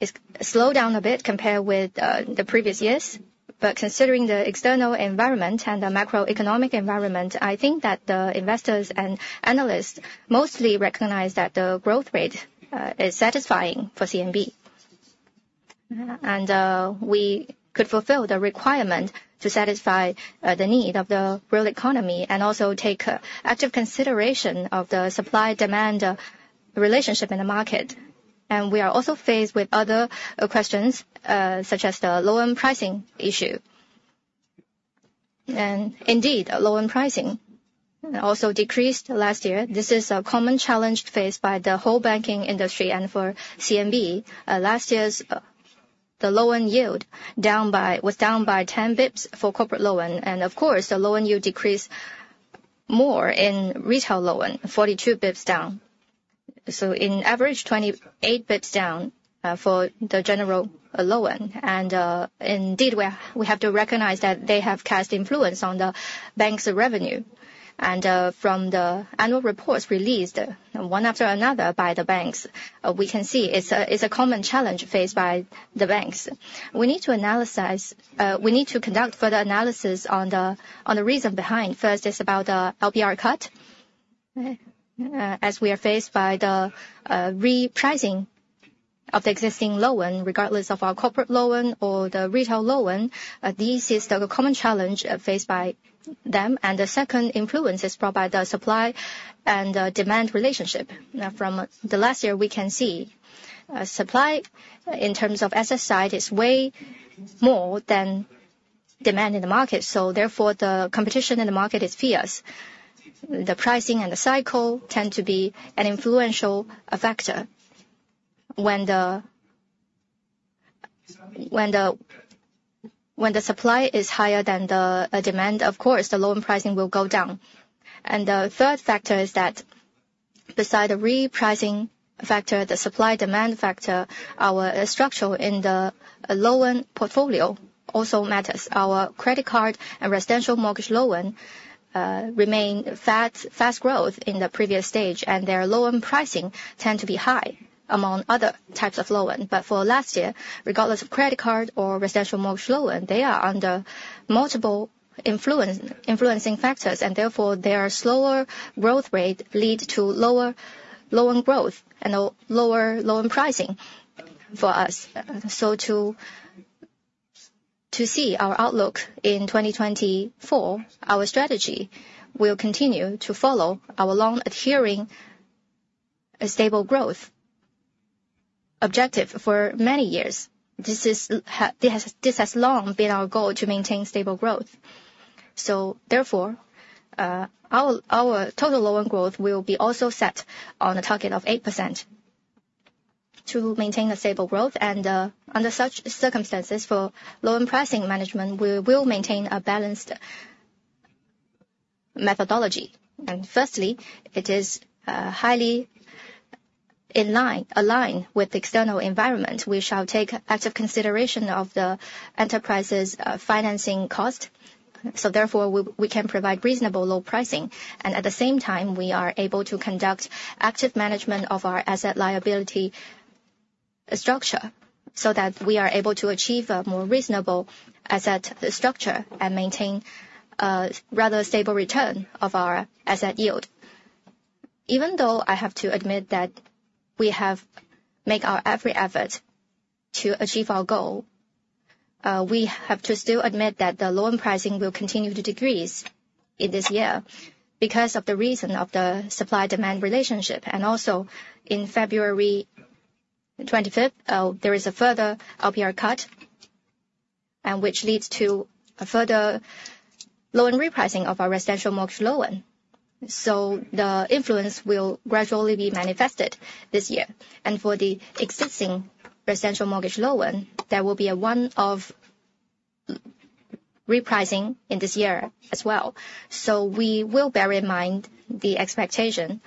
is slowed down a bit compared with the previous years. Considering the external environment and the macroeconomic environment, I think that the investors and analysts mostly recognize that the growth rate is satisfying for CMB. We could fulfill the requirement to satisfy the need of the real economy and also take active consideration of the supply-demand relationship in the market. We are also faced with other questions such as the loan-pricing issue. Indeed, loan pricing also decreased last year. This is a common challenge faced by the whole banking industry and for CMB. Last year, the loan yield was down by 10 basis points for corporate loans. Of course, the loan yield decreased more in retail loan, 42 basis points down. So on average, 28 basis points down for the general loan. Indeed, we have to recognize that they have cast influence on the bank's revenue. From the annual reports released one after another by the banks, we can see it's a common challenge faced by the banks. We need to conduct further analysis on the reason behind. First, it's about the LPR cut as we are faced by the repricing of the existing loan, regardless of our corporate loan or the retail loan. This is the common challenge faced by them. The second influence is brought by the supply and demand relationship. From last year, we can see supply in terms of asset side is way more than demand in the market. Therefore, the competition in the market is fierce. The pricing and the cycle tend to be an influential factor. When the supply is higher than the demand, of course, the loan pricing will go down. The third factor is that beside the repricing factor, the supply-demand factor, our structure in the loan portfolio also matters. Our credit card and residential mortgage loans remain fast growth in the previous stage, and their loan pricing tend to be high among other types of loans. But for last year, regardless of credit card or residential mortgage loans, they are under multiple influencing factors. Therefore, their slower growth rate leads to lower loan growth and lower loan pricing for us. So to see our outlook in 2024, our strategy will continue to follow our long-adhering stable growth objective for many years. This has long been our goal to maintain stable growth. So therefore, our total loan growth will be also set on a target of 8% to maintain a stable growth. And under such circumstances for loan-pricing management, we will maintain a balanced methodology. And firstly, it is highly aligned with the external environment. We shall take active consideration of the enterprise's financing cost. So therefore, we can provide reasonable loan pricing. And at the same time, we are able to conduct active management of our asset liability structure so that we are able to achieve a more reasonable asset structure and maintain a rather stable return of our asset yield. Even though I have to admit that we have made our every effort to achieve our goal, we have to still admit that the loan-pricing will continue to decrease in this year because of the reason of the supply-demand relationship. Also in February 25th, there is a further LPR cut which leads to a further loan repricing of our residential mortgage loan. So the influence will gradually be manifested this year. And for the existing residential mortgage loan, there will be a one-off repricing in this year as well. So we will bear in mind the expectation,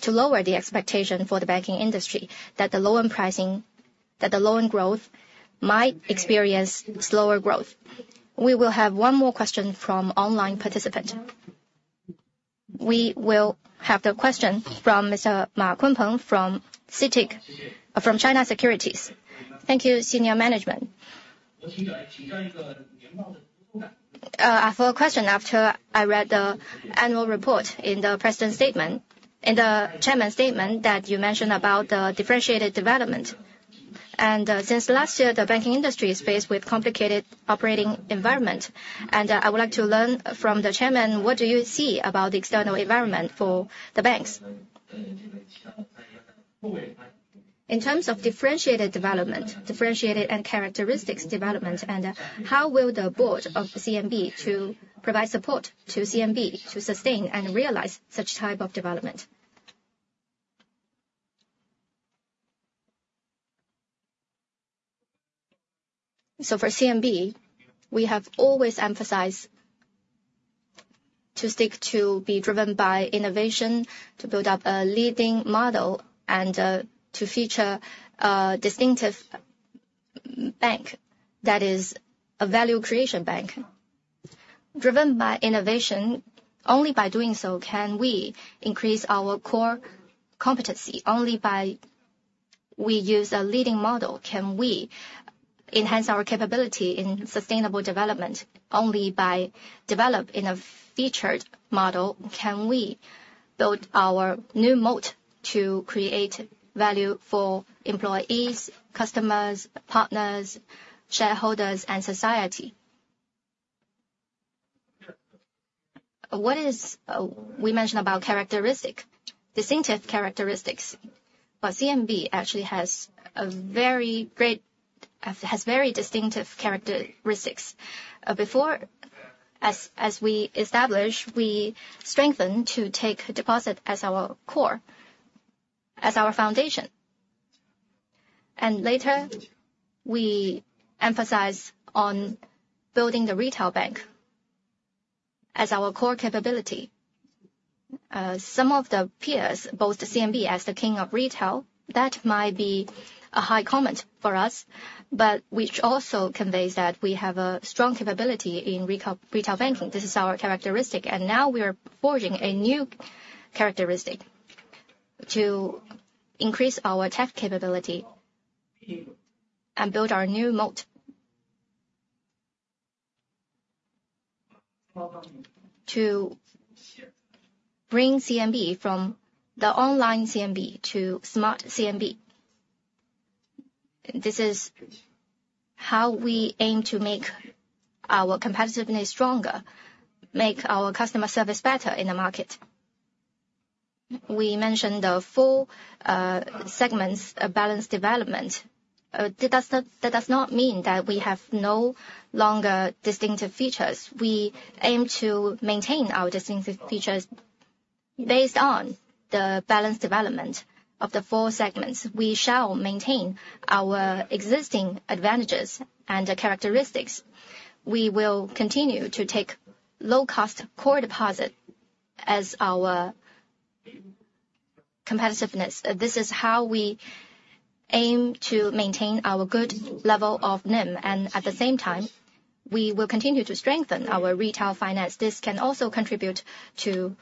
to lower the expectation for the banking industry, that the loan-pricing, that the loan growth might experience slower growth. We will have one more question from online participant. We will have the question from Mr. Ma Kunpeng from China Securities. Thank you, senior management. I have a question after I read the annual report in the chairman's statement that you mentioned about the differentiated development. And since last year, the banking industry is faced with a complicated operating environment. I would like to learn from the chairman, what do you see about the external environment for the banks? In terms of differentiated development, differentiated and characteristics development, and how will the board of CMB provide support to CMB to sustain and realize such type of development? So for CMB, we have always emphasized to stick to be driven by innovation, to build up a leading model, and to feature a distinctive bank that is a value creation bank. Driven by innovation, only by doing so can we increase our core competency. Only by we use a leading model, can we enhance our capability in sustainable development. Only by developing a featured model, can we build our new moat to create value for employees, customers, partners, shareholders, and society. What did we mention about characteristics, distinctive characteristics? But CMB actually has very distinctive characteristics. As we established, we strengthen to take deposit as our core, as our foundation. Later, we emphasize on building the retail bank as our core capability. Some of the peers, both CMB as the king of retail, that might be a high compliment for us. But we should also convey that we have a strong capability in retail banking. This is our characteristic. And now we are forging a new characteristic to increase our tech capability and build our new moat to bring CMB from the online CMB to smart CMB. This is how we aim to make our competitiveness stronger, make our customer service better in the market. We mentioned the four segments of balanced development. That does not mean that we have no longer distinctive features. We aim to maintain our distinctive features based on the balanced development of the four segments. We shall maintain our existing advantages and characteristics. We will continue to take low-cost core deposit as our competitiveness. This is how we aim to maintain our good level of NIM. At the same time, we will continue to strengthen our retail finance. This can also contribute to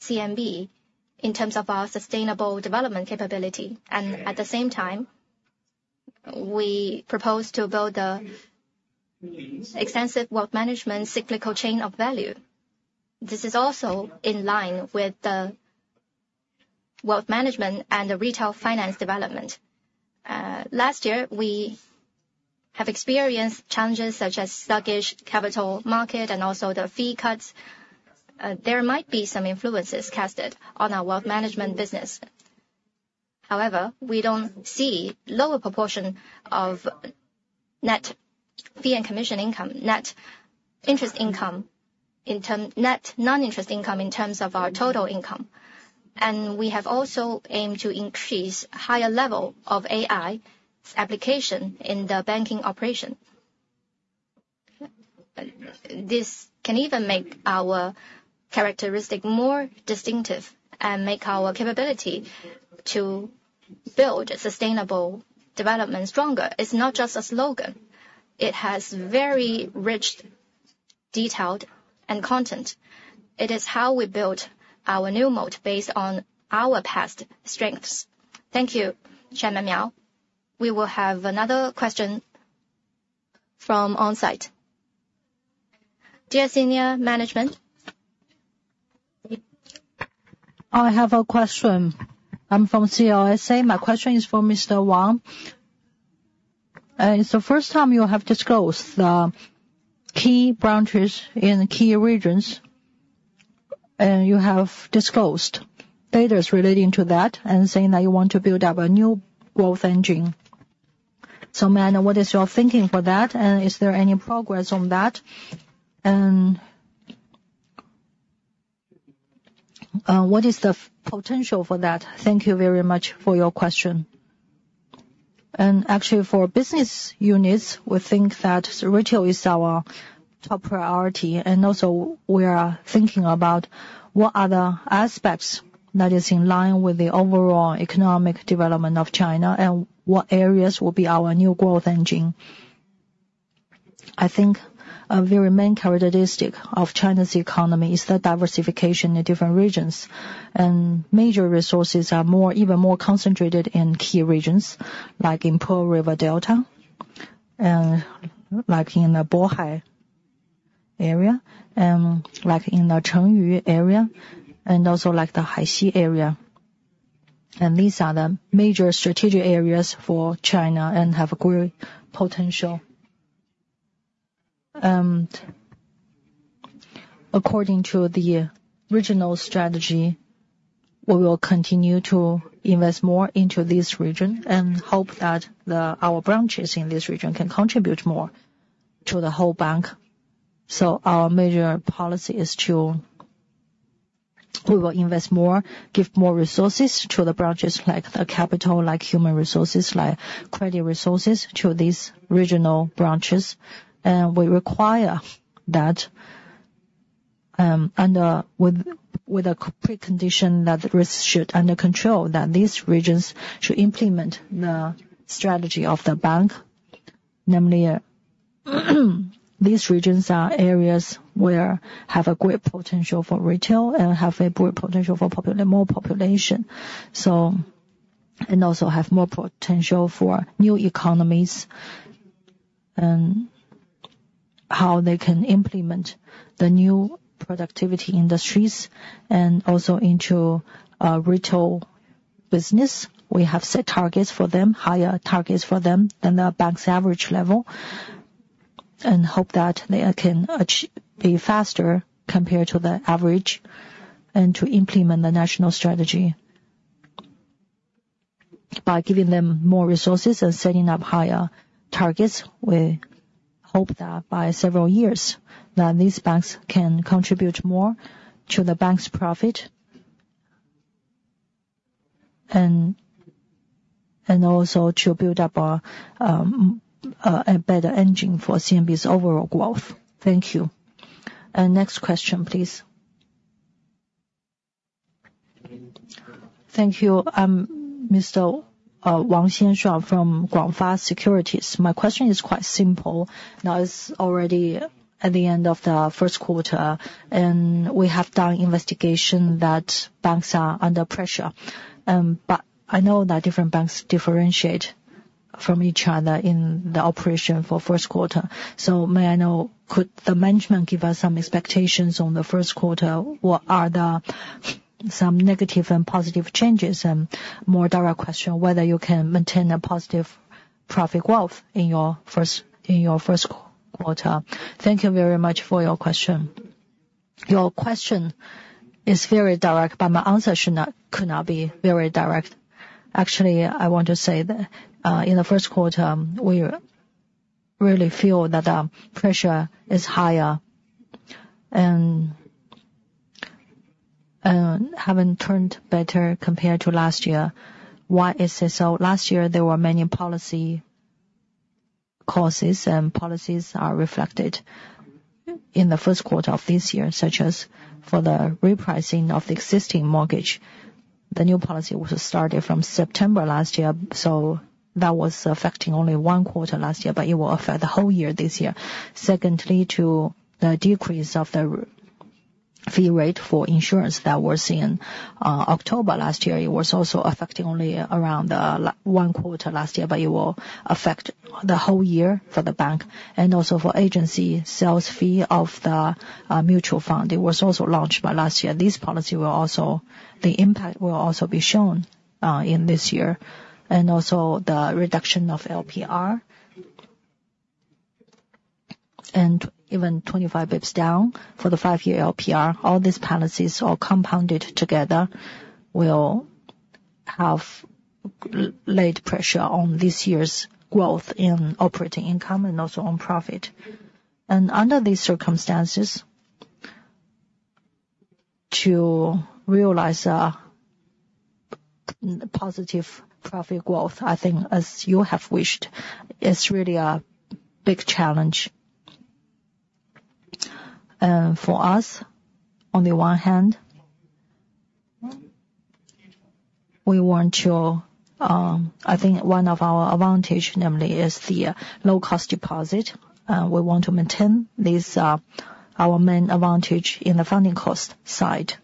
CMB in terms of our sustainable development capability. At the same time, we propose to build the extensive wealth management cyclical chain of value. This is also in line with the wealth management and the retail finance development. Last year, we have experienced challenges such as sluggish capital market and also the fee cuts. There might be some influences casted on our wealth management business. However, we don't see a lower proportion of net fee and commission income, net interest income, net non-interest income in terms of our total income. We have also aimed to increase a higher level of AI application in the banking operation. This can even make our characteristic more distinctive and make our capability to build sustainable development stronger. It's not just a slogan. It has very rich, detailed content. It is how we build our new moat based on our past strengths. Thank you, Chairman Miao. We will have another question from onsite. Dear senior management. I have a question. I'm from CLSA. My question is for Mr. Wang. It's the first time you have disclosed the key branches in key regions. And you have disclosed data relating to that and saying that you want to build up a new growth engine. So Ma'am, what is your thinking for that? And is there any progress on that? And what is the potential for that? Thank you very much for your question. Actually, for business units, we think that retail is our top priority. And also, we are thinking about what are the aspects that is in line with the overall economic development of China and what areas will be our new growth engine. I think a very main characteristic of China's economy is the diversification in different regions. Major resources are even more concentrated in key regions like in Pearl River Delta, like in the Bohai area, like in the Chengyu area, and also like the Haixi area. These are the major strategic areas for China and have great potential. According to the regional strategy, we will continue to invest more into this region and hope that our branches in this region can contribute more to the whole bank. Our major policy is to we will invest more, give more resources to the branches like the capital, like human resources, like credit resources to these regional branches. We require that with a precondition that risk should be under control, that these regions should implement the strategy of the bank. Namely, these regions are areas where they have a great potential for retail and have a great potential for more population, and also have more potential for new economies and how they can implement the new productivity industries. And also into retail business, we have set targets for them, higher targets for them than the bank's average level, and hope that they can be faster compared to the average and to implement the national strategy by giving them more resources and setting up higher targets. We hope that by several years, that these banks can contribute more to the bank's profit and also to build up a better engine for CMB's overall growth. Thank you. And next question, please. Thank you, Mr. Wang Xianshua from Guangfa Securities. My question is quite simple. Now, it's already at the end of the first quarter. We have done investigation that banks are under pressure. But I know that different banks differentiate from each other in the operation for first quarter. So Ma'am, could the management give us some expectations on the first quarter? What are some negative and positive changes? And more direct question, whether you can maintain a positive profit growth in your first quarter. Thank you very much for your question. Your question is very direct, but my answer could not be very direct. Actually, I want to say that in the first quarter, we really feel that the pressure is higher and haven't turned better compared to last year. Why is this so? Last year, there were many policy causes, and policies are reflected in the first quarter of this year, such as for the repricing of the existing mortgage. The new policy was started from September last year. So that was affecting only one quarter last year, but it will affect the whole year this year. Secondly, to the decrease of the fee rate for insurance that was in October last year, it was also affecting only around one quarter last year, but it will affect the whole year for the bank and also for agency sales fee of the mutual fund. It was also launched by last year. This policy will also the impact will also be shown in this year. And also the reduction of LPR and even 25 bps down for the five-year LPR. All these policies all compounded together will have laid pressure on this year's growth in operating income and also on profit. And under these circumstances, to realize positive profit growth, I think, as you have wished, is really a big challenge. For us, on the one hand, we want to—I think one of our advantages, namely, is the low-cost deposit. We want to maintain this as our main advantage in the funding cost side.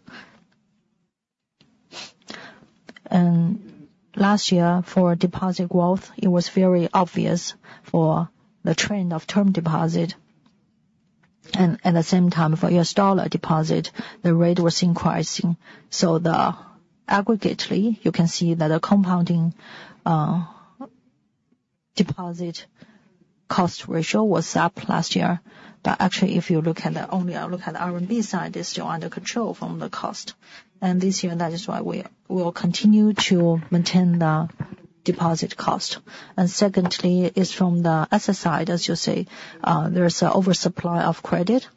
Last year, for deposit growth, it was very obvious for the trend of term deposit. And at the same time, for U.S. dollar deposit, the rate was increasing. So aggregately, you can see that the compounding deposit cost ratio was up last year. But actually, if you look at the only look at the R&B side, it's still under control from the cost. And this year, that is why we will continue to maintain the deposit cost. And secondly, it's from the asset side, as you say. There's an oversupply of credit,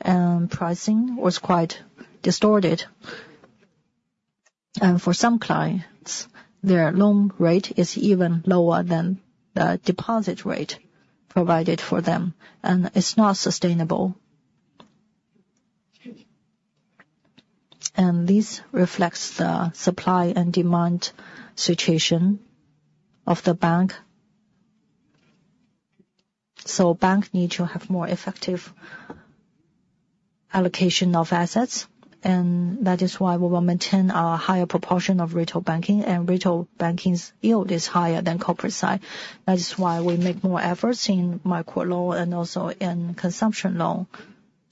and pricing was quite distorted. And for some clients, their loan rate is even lower than the deposit rate provided for them. It's not sustainable. This reflects the supply and demand situation of the bank. Banks need to have more effective allocation of assets. That is why we will maintain a higher proportion of retail banking. Retail banking's yield is higher than corporate side. That is why we make more efforts in microloan and also in consumption loan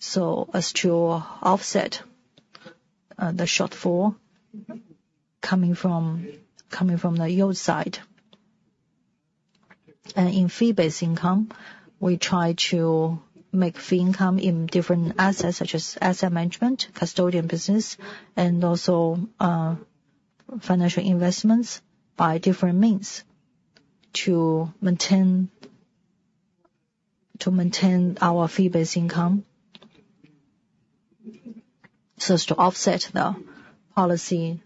so as to offset the shortfall coming from the yield side. In fee-based income, we try to make fee income in different assets such as asset management, custodian business, and also financial investments by different means to maintain our fee-based income, so as to offset the policy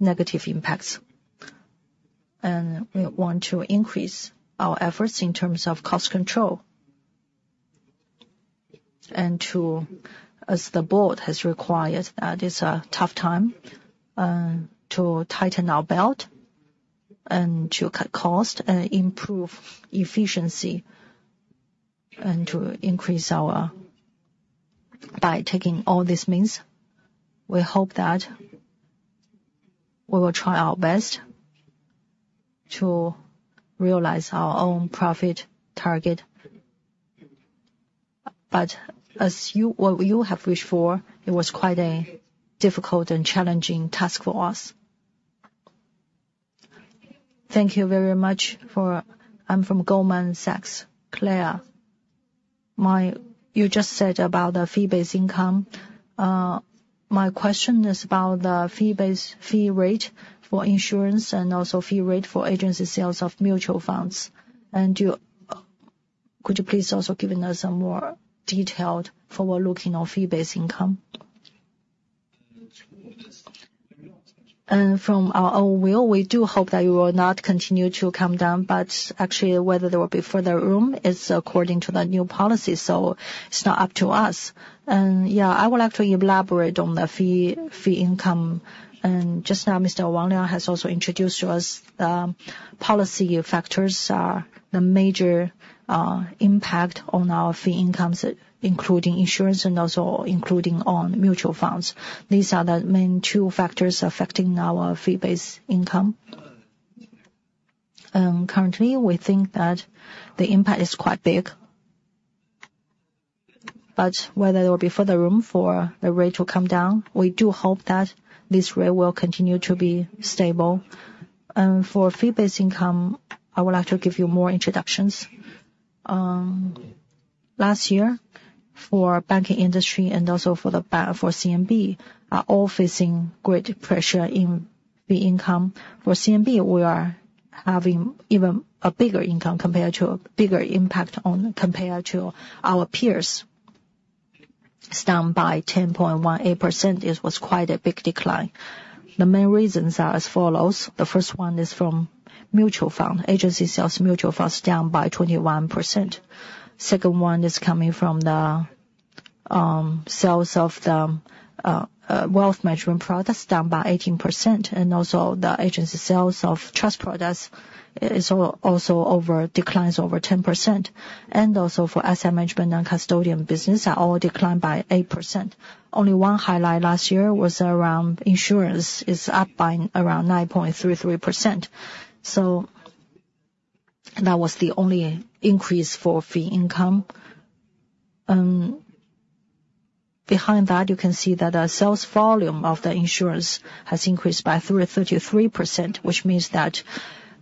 negative impacts. And we want to increase our efforts in terms of cost control and to, as the board has required, that is a tough time to tighten our belt and to cut costs and improve efficiency and to increase our by taking all these means, we hope that we will try our best to realize our own profit target. But as what you have wished for, it was quite a difficult and challenging task for us. Thank you very much. I'm from Goldman Sachs, Claire. You just said about the fee-based income. My question is about the fee rate for insurance and also fee rate for agency sales of mutual funds. And could you please also give us some more detail for our forward-looking on fee-based income? And from our own will, we do hope that you will not continue to come down. But actually, whether there will be further room is according to the new policy. So it's not up to us. And yeah, I would like to elaborate on the fee income. And just now, Mr. Wang Liang has also introduced to us the policy factors, the major impact on our fee incomes, including insurance and also including on mutual funds. These are the main two factors affecting our fee-based income. And currently, we think that the impact is quite big. But whether there will be further room for the rate to come down, we do hope that this rate will continue to be stable. And for fee-based income, I would like to give you more introductions. Last year, for banking industry and also for CMB, are all facing great pressure in fee income. For CMB, we are having even a bigger income compared to a bigger impact compared to our peers. It's down by 10.18%. It was quite a big decline. The main reasons are as follows. The first one is from mutual fund, agency sales mutual funds down by 21%. Second one is coming from the sales of the wealth management products down by 18%. And also the agency sales of trust products is also declines over 10%. And also for asset management and custodian business, are all declined by 8%. Only one highlight last year was around insurance. It's up by around 9.33%. So that was the only increase for fee income. And behind that, you can see that the sales volume of the insurance has increased by 33%, which means that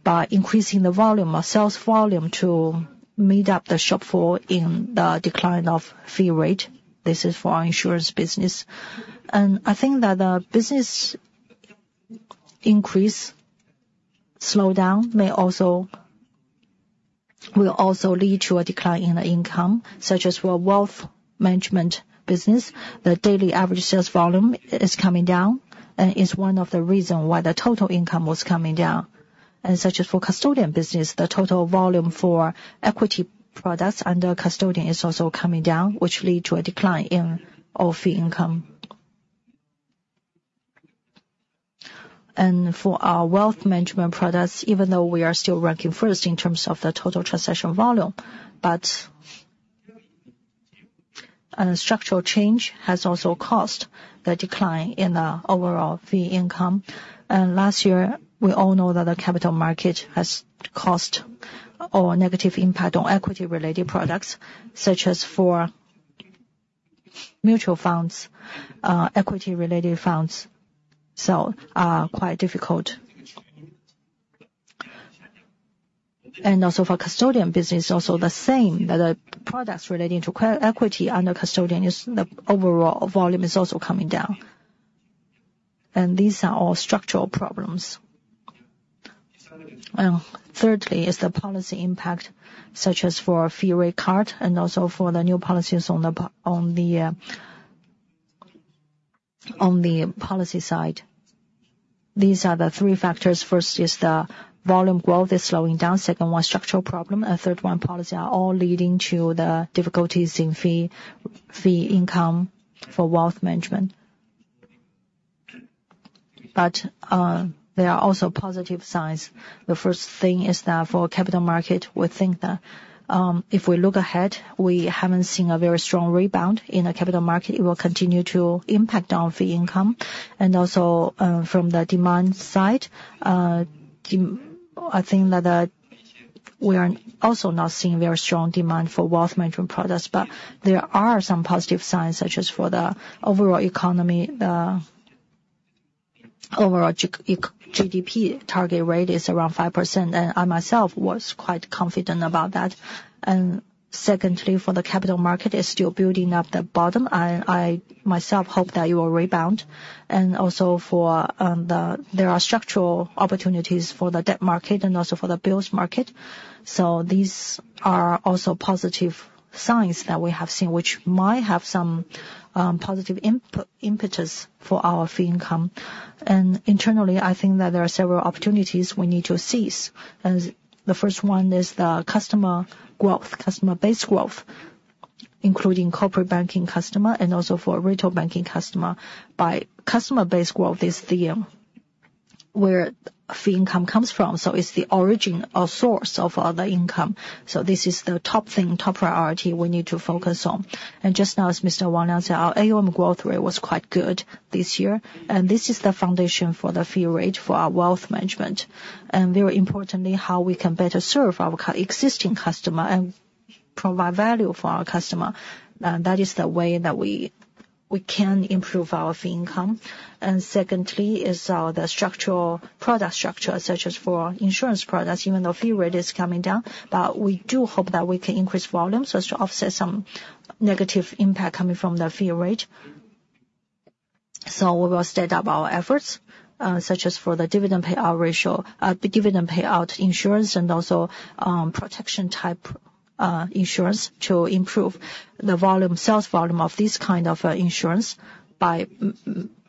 by increasing the volume of sales volume to meet up the shortfall in the decline of fee rate, this is for our insurance business. And I think that the business increase slowdown will also lead to a decline in the income, such as for wealth management business. The daily average sales volume is coming down. And it's one of the reasons why the total income was coming down. And such as for custodian business, the total volume for equity products under custodian is also coming down, which lead to a decline in all fee income. And for our wealth management products, even though we are still ranking first in terms of the total transaction volume, but structural change has also caused the decline in the overall fee income. Last year, we all know that the capital market has caused a negative impact on equity-related products, such as for mutual funds. Equity-related funds sell quite difficult. And also for custodian business, also the same, that the products relating to equity under custodian, the overall volume is also coming down. And these are all structural problems. And thirdly, is the policy impact, such as for fee rate card and also for the new policies on the policy side. These are the three factors. First is the volume growth is slowing down. Second one, structural problem. And third one, policy are all leading to the difficulties in fee income for wealth management. But there are also positive signs. The first thing is that for capital market, we think that if we look ahead, we haven't seen a very strong rebound in the capital market. It will continue to impact on fee income. And also from the demand side, I think that we are also not seeing very strong demand for wealth management products. But there are some positive signs, such as for the overall economy, the overall GDP target rate is around 5%. And I myself was quite confident about that. And secondly, for the capital market, it's still building up the bottom. I myself hope that it will rebound. And also there are structural opportunities for the debt market and also for the bills market. So these are also positive signs that we have seen, which might have some positive impetus for our fee income. And internally, I think that there are several opportunities we need to seize. And the first one is the customer growth, customer-based growth, including corporate banking customer and also for retail banking customer. By customer-based growth, it's where fee income comes from. So it's the origin or source of all the income. So this is the top thing, top priority we need to focus on. Just now, as Mr. Wang Liang said, our AUM growth rate was quite good this year. And this is the foundation for the fee rate for our wealth management. And very importantly, how we can better serve our existing customer and provide value for our customer. That is the way that we can improve our fee income. And secondly is the product structure, such as for insurance products, even though fee rate is coming down. But we do hope that we can increase volume so as to offset some negative impact coming from the fee rate. We will step up our efforts, such as for the dividend payout ratio, dividend payout insurance, and also protection-type insurance to improve the sales volume of this kind of insurance by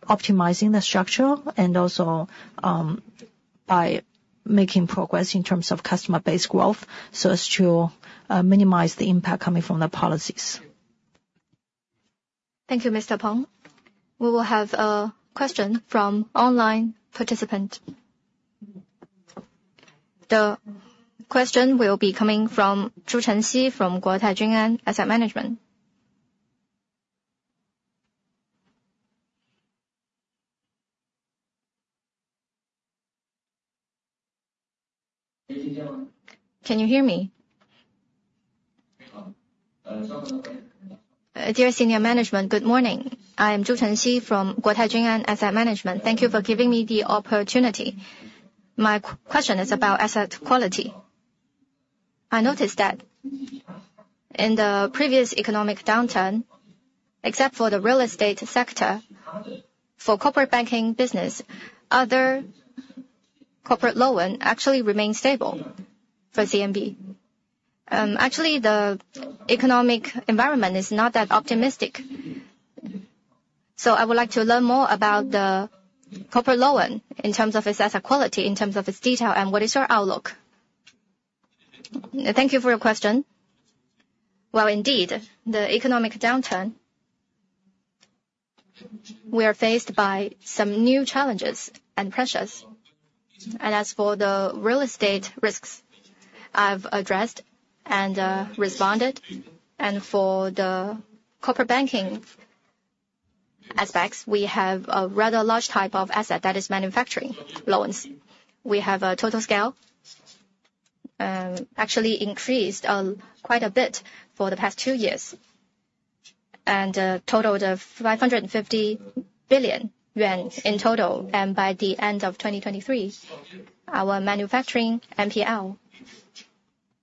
optimizing the structure and also by making progress in terms of customer-based growth so as to minimize the impact coming from the policies. Thank you, Mr. Peng. We will have a question from online participant. The question will be coming from Zhu Chengxi from Guotai Junan Asset Management. Can you hear me? Dear Senior Management, good morning. I am Zhu Chengxi from Guotai Junan Asset Management. Thank you for giving me the opportunity. My question is about asset quality. I noticed that in the previous economic downturn, except for the real estate sector, for corporate banking business, other corporate loan actually remained stable for CMB. Actually, the economic environment is not that optimistic. So I would like to learn more about the corporate loan in terms of its asset quality, in terms of its detail, and what is your outlook? Thank you for your question. Well, indeed, the economic downturn, we are faced by some new challenges and pressures. As for the real estate risks I've addressed and responded, and for the corporate banking aspects, we have a rather large type of asset that is manufacturing loans. We have a total scale actually increased quite a bit for the past two years and totaled 550 billion yuan in total. By the end of 2023, our manufacturing NPL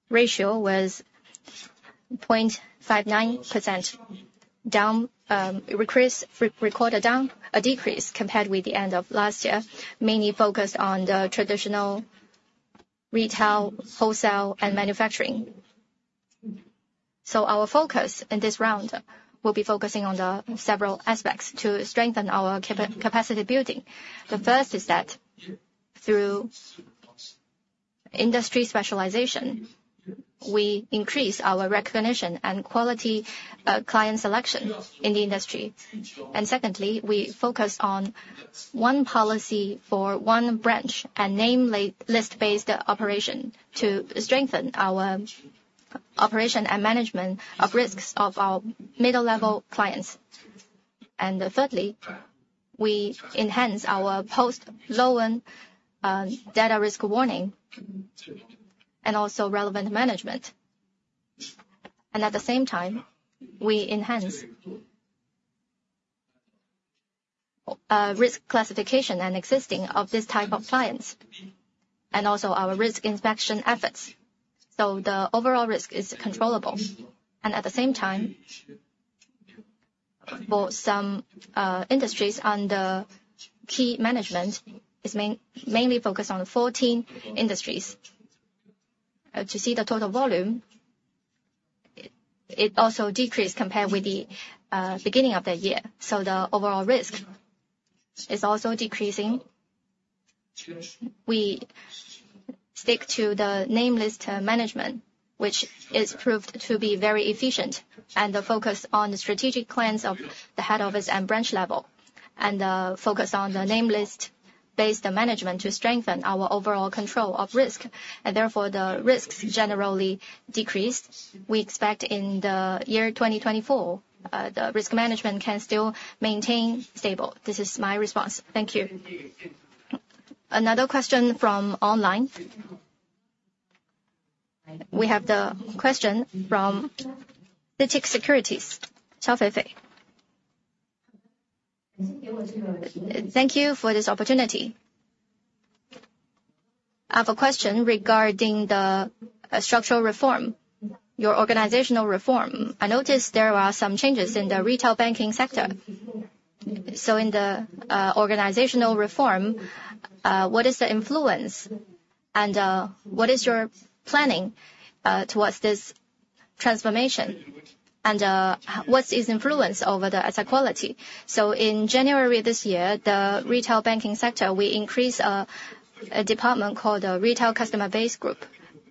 ratio was 0.59%, recorded a decrease compared with the end of last year, mainly focused on the traditional retail, wholesale, and manufacturing. Our focus in this round will be focusing on several aspects to strengthen our capacity building. The first is that through industry specialization, we increase our recognition and quality client selection in the industry. Secondly, we focus on one policy for one branch and name list-based operation to strengthen our operation and management of risks of our middle-level clients. And thirdly, we enhance our post-loan data risk warning and also relevant management. At the same time, we enhance risk classification and existing of this type of clients and also our risk inspection efforts. So the overall risk is controllable. And at the same time, for some industries under key management, it's mainly focused on 14 industries. To see the total volume, it also decreased compared with the beginning of the year. So the overall risk is also decreasing. We stick to the name list management, which is proved to be very efficient and the focus on the strategic plans of the head office and branch level and the focus on the name list-based management to strengthen our overall control of risk. And therefore, the risks generally decreased. We expect in the year 2024, the risk management can still maintain stable. This is my response. Thank you. Another question from online. We have the question from CITIC Securities, Xiao Feifei. Thank you for this opportunity. I have a question regarding the structural reform, your organizational reform. I noticed there are some changes in the retail banking sector. So in the organizational reform, what is the influence and what is your planning towards this transformation? And what's its influence over the asset quality? So in January this year, the retail banking sector, we increased a department called the Retail Customer Base Group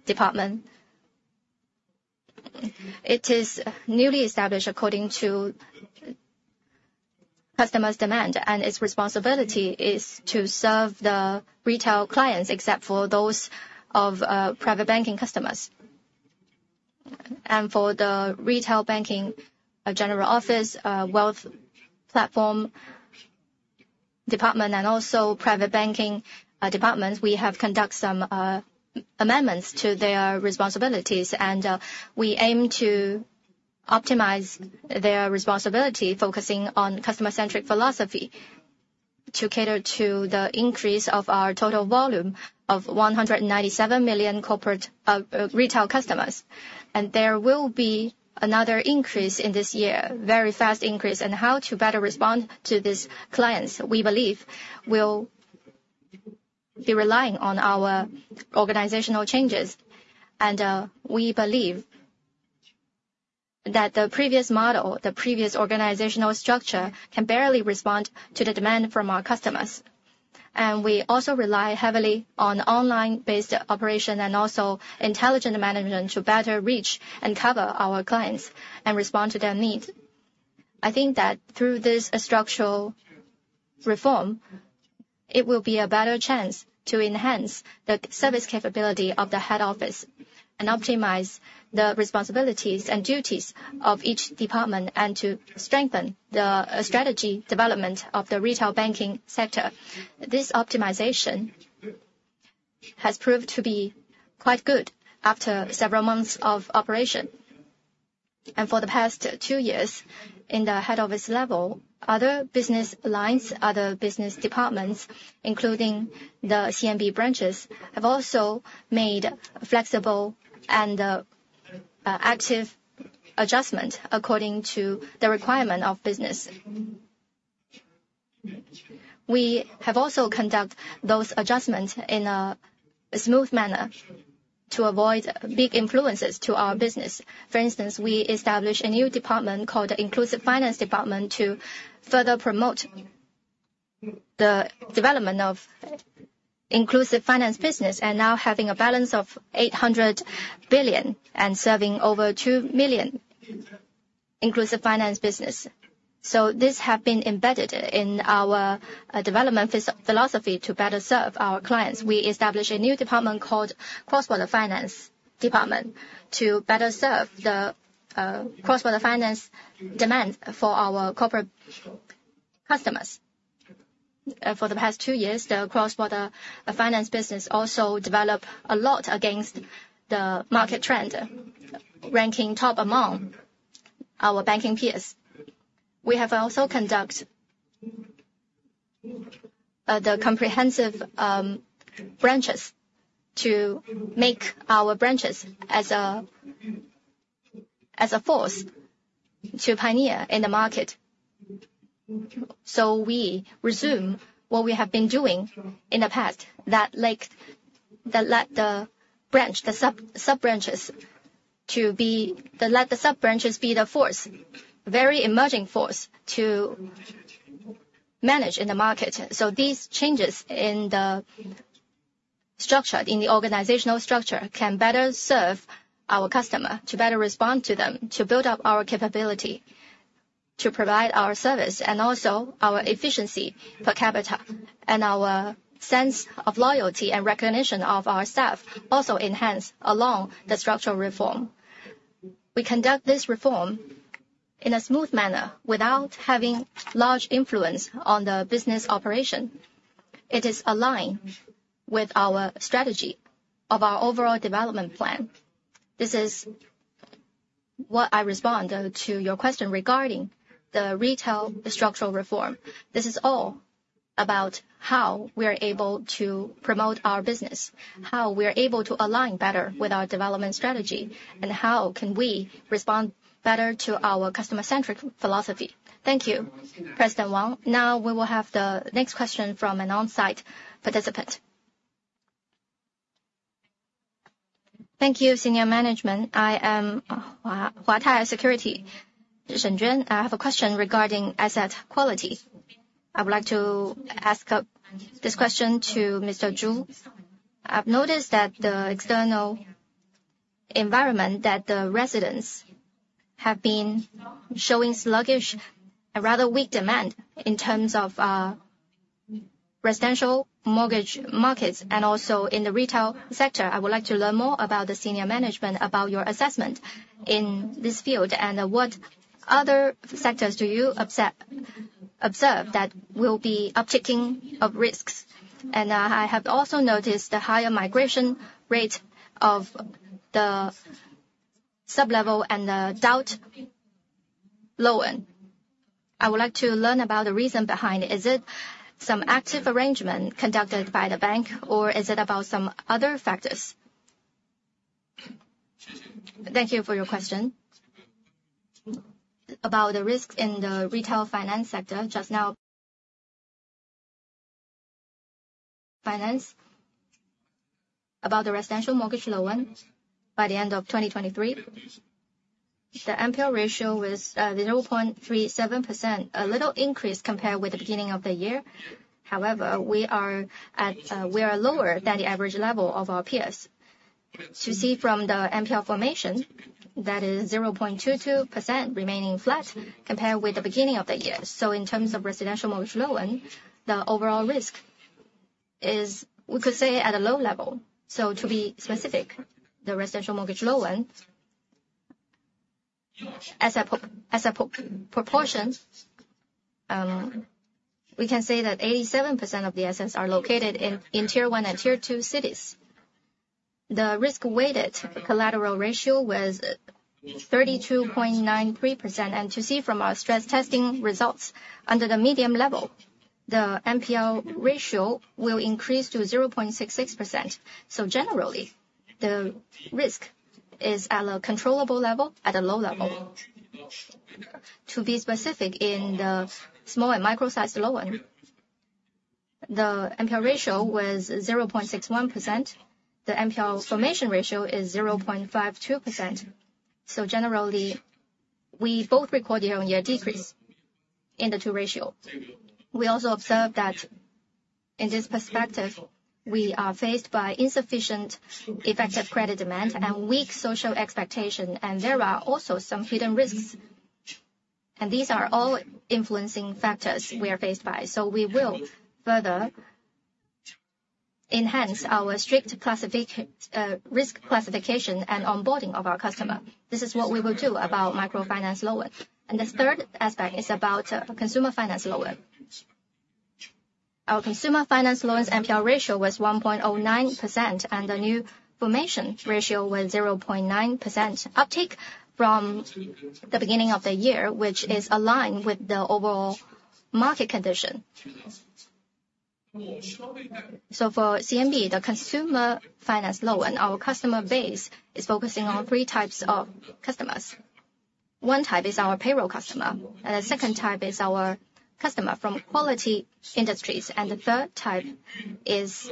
department. It is newly established according to customer's demand. And its responsibility is to serve the retail clients except for those of private banking customers. And for the retail banking general office, wealth platform department, and also private banking departments, we have conducted some amendments to their responsibilities. We aim to optimize their responsibility, focusing on customer-centric philosophy to cater to the increase of our total volume of 197 million retail customers. There will be another increase in this year, very fast increase. And how to better respond to these clients, we believe, will be relying on our organizational changes. We believe that the previous model, the previous organizational structure, can barely respond to the demand from our customers. We also rely heavily on online-based operation and also intelligent management to better reach and cover our clients and respond to their needs. I think that through this structural reform, it will be a better chance to enhance the service capability of the head office and optimize the responsibilities and duties of each department and to strengthen the strategy development of the retail banking sector. This optimization has proved to be quite good after several months of operation. For the past two years, in the head office level, other business lines, other business departments, including the CMB branches, have also made flexible and active adjustments according to the requirement of business. We have also conducted those adjustments in a smooth manner to avoid big influences to our business. For instance, we established a new department called the Inclusive Finance Department to further promote the development of inclusive finance business and now having a balance of 800 billion and serving over two million inclusive finance business. These have been embedded in our development philosophy to better serve our clients. We established a new department called Cross-Border Finance Department to better serve the cross-border finance demand for our corporate customers. For the past two years, the cross-border finance business also developed a lot against the market trend, ranking top among our banking peers. We have also conducted the comprehensive branches to make our branches as a force to pioneer in the market. We resume what we have been doing in the past that let the branch, the sub-branches, to be the force, very emerging force to manage in the market. These changes in the structure, in the organizational structure, can better serve our customer, to better respond to them, to build up our capability, to provide our service, and also our efficiency per capita. Our sense of loyalty and recognition of our staff also enhance along the structural reform. We conduct this reform in a smooth manner without having large influence on the business operation. It is aligned with our strategy of our overall development plan. This is what I respond to your question regarding the retail structural reform. This is all about how we are able to promote our business, how we are able to align better with our development strategy, and how can we respond better to our customer-centric philosophy. Thank you, President Wang. Now, we will have the next question from an onsite participant. Thank you, Senior Management. I am Guotai Security, Zheng Zhen. I have a question regarding asset quality. I would like to ask this question to Mr. Zhu. I've noticed that the external environment, that the residents have been showing sluggish and rather weak demand in terms of residential mortgage markets and also in the retail sector. I would like to learn more about the Senior Management, about your assessment in this field, and what other sectors do you observe that will be upticking of risks? I have also noticed the higher migration rate of the substandard and the doubtful loan. I would like to learn about the reason behind it. Is it some active arrangement conducted by the bank, or is it about some other factors? Thank you for your question. About the risks in the retail finance sector just now, about the residential mortgage loan by the end of 2023, the NPL ratio was 0.37%, a little increase compared with the beginning of the year. However, we are lower than the average level of our peers. To see from the NPL formation, that is 0.22% remaining flat compared with the beginning of the year. So in terms of residential mortgage loan, the overall risk is, we could say, at a low level. So to be specific, the residential mortgage loan, as a proportion, we can say that 87% of the assets are located in Tier 1 and Tier 2 cities. The risk-weighted collateral ratio was 32.93%. And to see from our stress testing results, under the medium level, the NPL ratio will increase to 0.66%. So generally, the risk is at a controllable level, at a low level. To be specific, in the small and micro-sized loan, the NPL ratio was 0.61%. The NPL formation ratio is 0.52%. So generally, we both record year-on-year decrease in the two ratio. We also observe that in this perspective, we are faced by insufficient effective credit demand and weak social expectation. And there are also some hidden risks. These are all influencing factors we are faced by. We will further enhance our strict risk classification and onboarding of our customer. This is what we will do about microfinance loan. The third aspect is about consumer finance loan. Our consumer finance loans NPL ratio was 1.09%, and the new formation ratio was 0.9%, uptick from the beginning of the year, which is aligned with the overall market condition. For CMB, the consumer finance loan, our customer base is focusing on three types of customers. One type is our payroll customer. The second type is our customer from quality industries. The third type is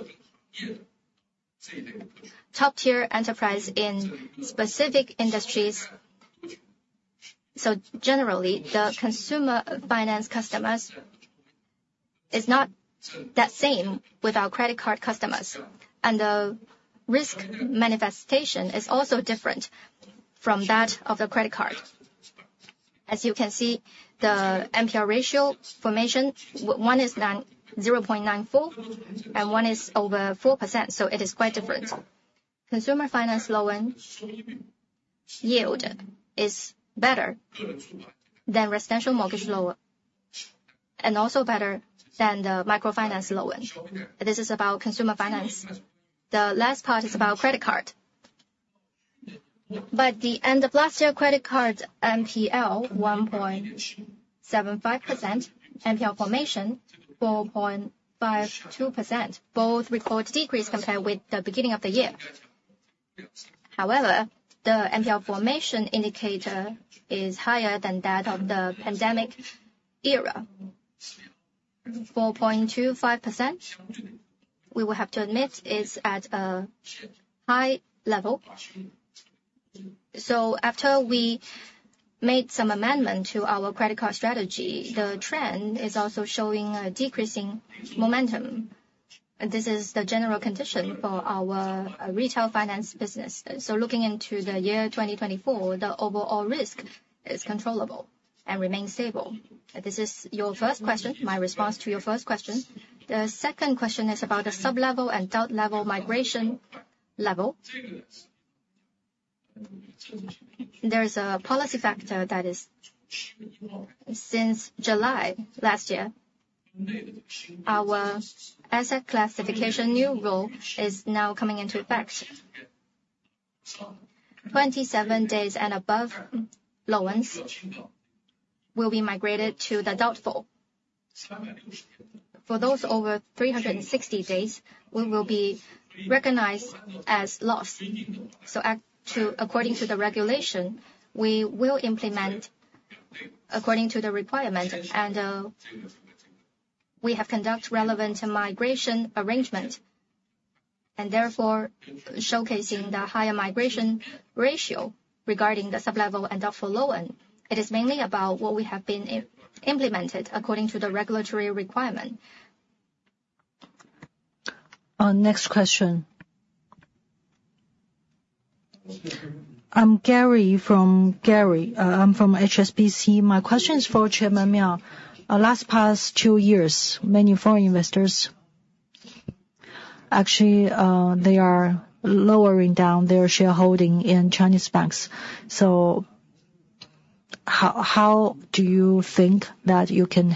top-tier enterprise in specific industries. Generally, the consumer finance customers is not that same with our credit card customers. The risk manifestation is also different from that of the credit card. As you can see, the NPL ratio formation, one is 0.94% and one is over 4%. So it is quite different. Consumer finance loan yield is better than residential mortgage loan and also better than the microfinance loan. This is about consumer finance. The last part is about credit card. But at the end of last year, credit card NPL 1.75%, NPL formation 4.52%, both record decrease compared with the beginning of the year. However, the NPL formation indicator is higher than that of the pandemic era. 4.25%, we will have to admit, is at a high level. So after we made some amendment to our credit card strategy, the trend is also showing a decreasing momentum. And this is the general condition for our retail finance business. So looking into the year 2024, the overall risk is controllable and remains stable. This is your first question, my response to your first question. The second question is about the sub-level and doubt level migration level. There is a policy factor that is since July last year, our asset classification new rule is now coming into effect. 27 days and above loans will be migrated to the doubtful. For those over 360 days, we will be recognized as lost. So according to the regulation, we will implement according to the requirement. And we have conducted relevant migration arrangement and therefore showcasing the higher migration ratio regarding the sub-level and doubtful loan. It is mainly about what we have been implemented according to the regulatory requirement. Next question. I'm Gary from HSBC. My question is for Chairman Miao. In the past two years, many foreign investors, actually, they are lowering down their shareholding in Chinese banks. So how do you think that you can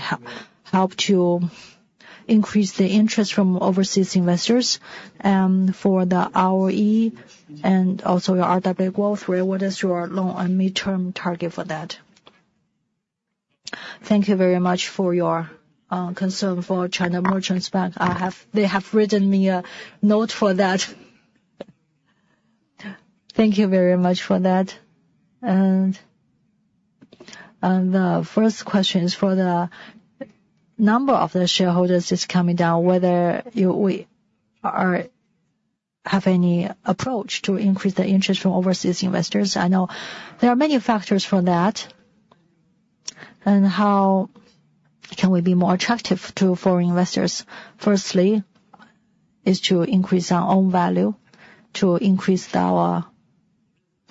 help to increase the interest from overseas investors for the ROE and also your RWA growth rate? What is your long- and mid-term target for that? Thank you very much for your concern for China Merchants Bank. They have written me a note for that. Thank you very much for that. The first question is for the number of the shareholders is coming down, whether we have any approach to increase the interest from overseas investors. I know there are many factors for that. How can we be more attractive to foreign investors? Firstly, is to increase our own value, to increase our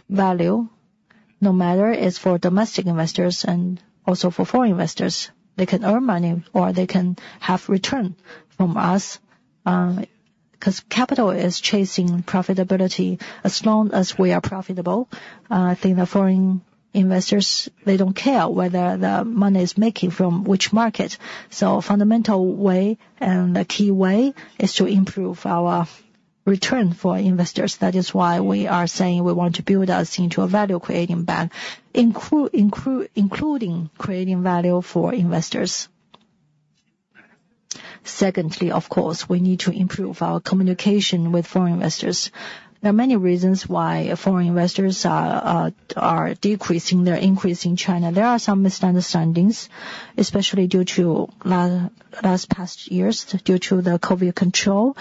value no matter it's for domestic investors and also for foreign investors. They can earn money, or they can have return from us because capital is chasing profitability. As long as we are profitable, I think the foreign investors, they don't care whether the money is making from which market. So a fundamental way and a key way is to improve our return for investors. That is why we are saying we want to build us into a value-creating bank, including creating value for investors. Secondly, of course, we need to improve our communication with foreign investors. There are many reasons why foreign investors are decreasing. They're increasing China. There are some misunderstandings, especially due to last past years, due to the COVID control.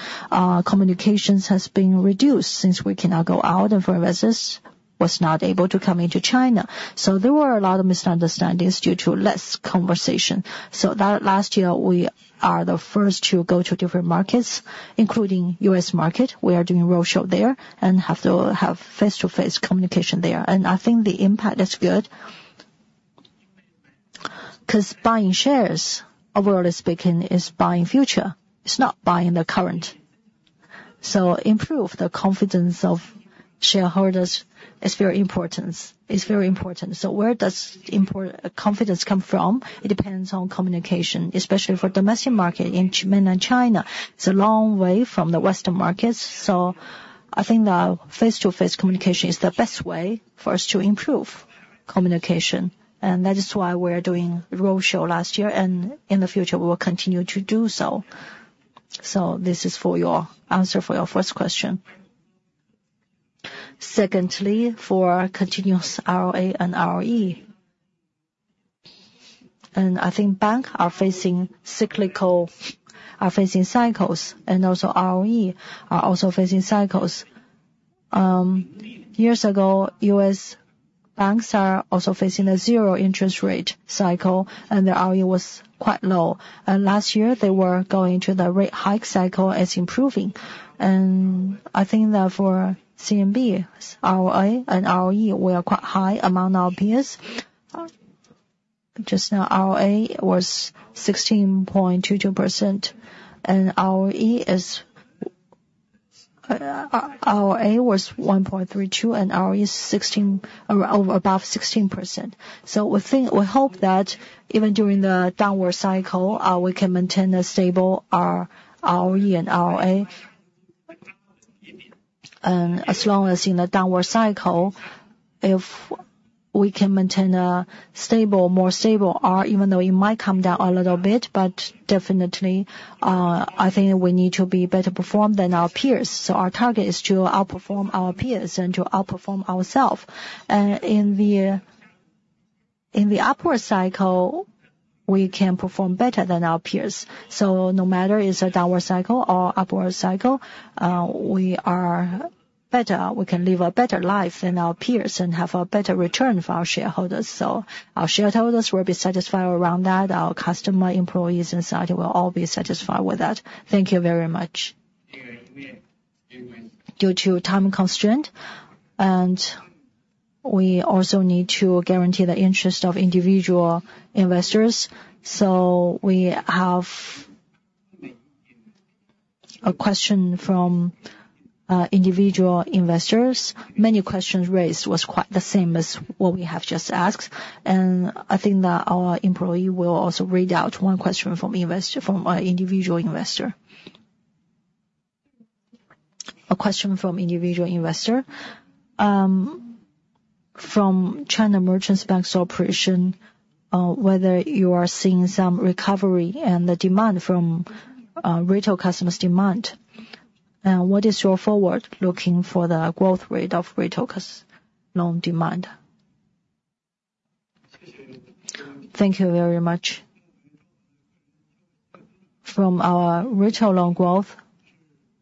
Communications have been reduced since we cannot go out, and foreign investors were not able to come into China. So there were a lot of misunderstandings due to less conversation. So last year, we are the first to go to different markets, including the U.S. market. We are doing a roadshow there and have to have face-to-face communication there. And I think the impact is good because buying shares, overall speaking, is buying future. It's not buying the current. So improving the confidence of shareholders is very important. It's very important. So where does confidence come from? It depends on communication, especially for the domestic market in mainland China. It's a long way from the Western markets. So I think that face-to-face communication is the best way for us to improve communication. And that is why we are doing a roadshow last year. And in the future, we will continue to do so. So this is for your answer for your first question. Secondly, for continuous ROA and ROE. And I think banks are facing cycles, and also ROE are also facing cycles. Years ago, U.S. banks are also facing a zero-interest rate cycle, and their ROE was quite low. Last year, they were going into the rate hike cycle as improving. I think that for CMB, ROA and ROE, we are quite high among our peers. Just now, ROA was 16.22%. ROE was 1.32%, and ROE is over above 16%. So we hope that even during the downward cycle, we can maintain a stable ROE and ROE. And as long as in the downward cycle, if we can maintain a stable, more stable ROE, even though it might come down a little bit, but definitely, I think we need to be better performed than our peers. So our target is to outperform our peers and to outperform ourselves. And in the upward cycle, we can perform better than our peers. So no matter it's a downward cycle or upward cycle, we are better. We can live a better life than our peers and have a better return for our shareholders. So our shareholders will be satisfied around that. Our customers, employees, and society will all be satisfied with that. Thank you very much. Due to time constraint, and we also need to guarantee the interest of individual investors. So we have a question from individual investors. Many questions raised were quite the same as what we have just asked. And I think that our employee will also read out one question from an individual investor. A question from individual investor from China Merchants Bank Corporation, whether you are seeing some recovery in the demand from retail customers' demand. And what is your forward looking for the growth rate of retail loan demand? Thank you very much. From our retail loan growth,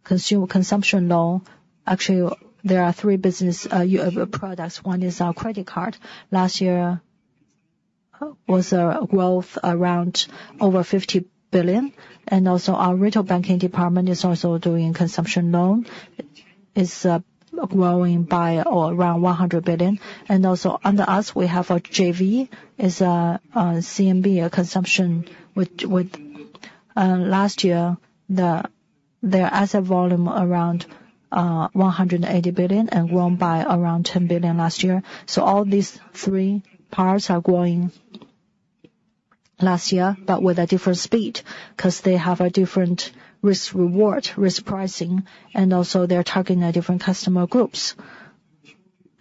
consumption loan, actually, there are three business products. One is our credit card. Last year, it was a growth around over 50 billion. And also our retail banking department is also doing consumption loan. It's growing by around 100 billion. And also under us, we have a JV. It's CMB, a consumption with last year, their asset volume around 180 billion and grown by around 10 billion last year. So all these three parts are growing last year, but with a different speed because they have a different risk-reward, risk pricing. And also they're targeting different customer groups.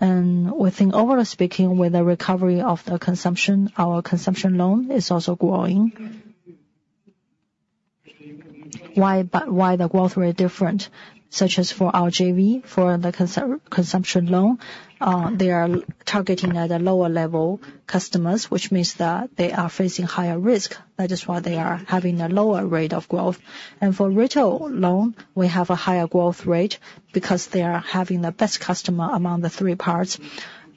And I think, overall speaking, with the recovery of the consumption, our consumption loan is also growing. Why the growth rate is different, such as for our JV, for the consumption loan, they are targeting at a lower level customers, which means that they are facing higher risk. That is why they are having a lower rate of growth. For retail loan, we have a higher growth rate because they are having the best customer among the three parts.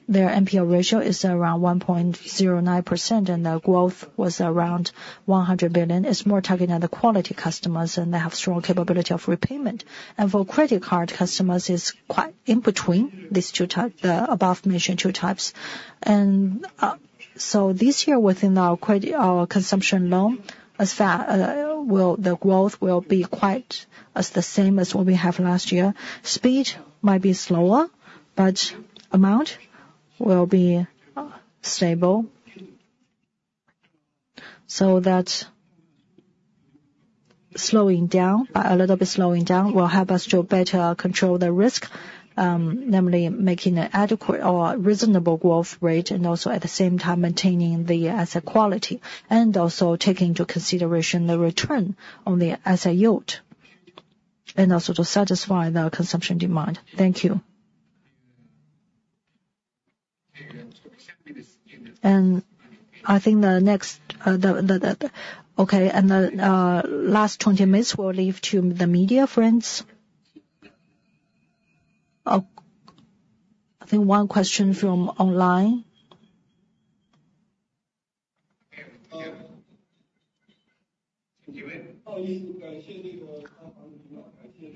Their NPL ratio is around 1.09%, and the growth was around 100 billion. It's more targeting at the quality customers, and they have strong capability of repayment. For credit card customers, it's quite in between the above-mentioned two types. So this year, within our consumption loan, the growth will be quite the same as what we have last year. Speed might be slower, but amount will be stable. So that slowing down, a little bit slowing down, will help us to better control the risk, namely making an adequate or reasonable growth rate and also, at the same time, maintaining the asset quality and also taking into consideration the return on the asset yield and also to satisfy the consumption demand. Thank you. And I think the next, okay. And the last 20 minutes will leave to the media friends. I think one question from online.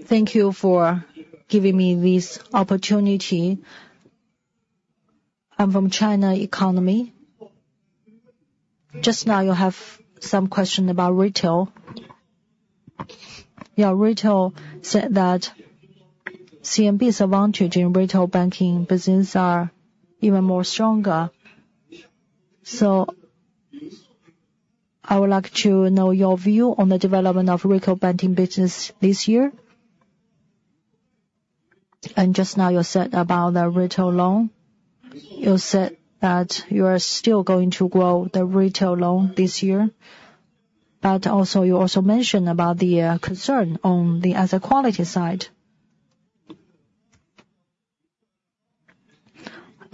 Thank you for giving me this opportunity. I'm from China Economic Net. Just now, you have some question about retail. Yeah, you said that CMB's advantage in retail banking businesses are even more stronger. So I would like to know your view on the development of retail banking business this year. And just now, you said about the retail loan. You said that you are still going to grow the retail loan this year. But you also mentioned about the concern on the asset quality side.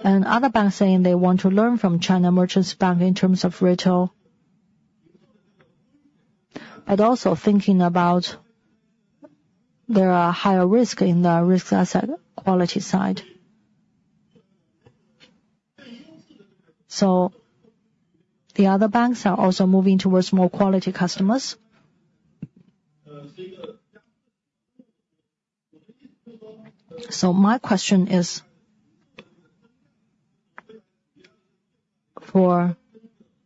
And other banks saying they want to learn from China Merchants Bank in terms of retail, but also thinking about there are higher risks in the risk asset quality side. So the other banks are also moving towards more quality customers. So my question is for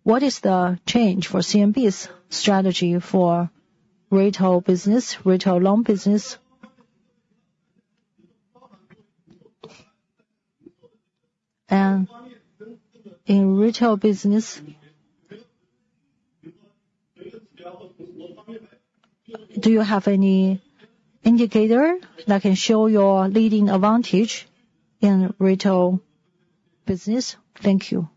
what is the change for CMB's strategy for retail business, retail loan business? And in retail business, do you have any indicator that can show your leading advantage in retail business? Thank you.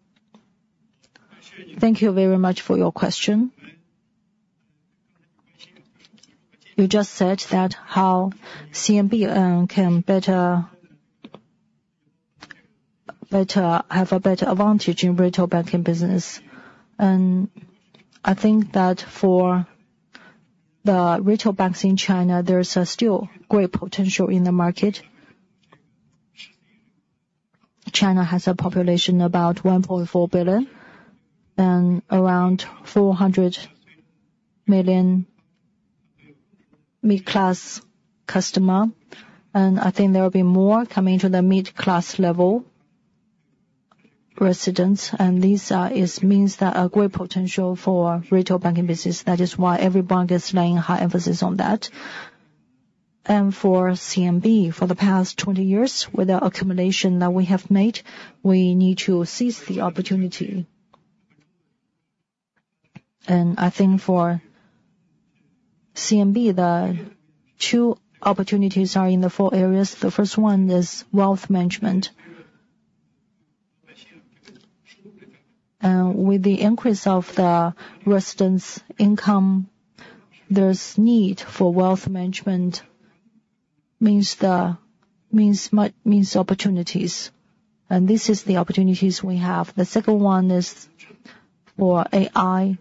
Thank you very much for your question. You just said that how CNB can have a better advantage in retail banking business. And I think that for the retail banks in China, there's still great potential in the market. China has a population of about 1.4 billion and around 400 million middle-class customers. I think there will be more coming to the middle-class level residents. This means that a great potential for retail banking business. That is why every bank is laying high emphasis on that. For CMB, for the past 20 years, with the accumulation that we have made, we need to seize the opportunity. I think for CMB, the two opportunities are in the four areas. The first one is wealth management. With the increase of the residents' income, there's need for wealth management means opportunities. This is the opportunities we have. The second one is for AI,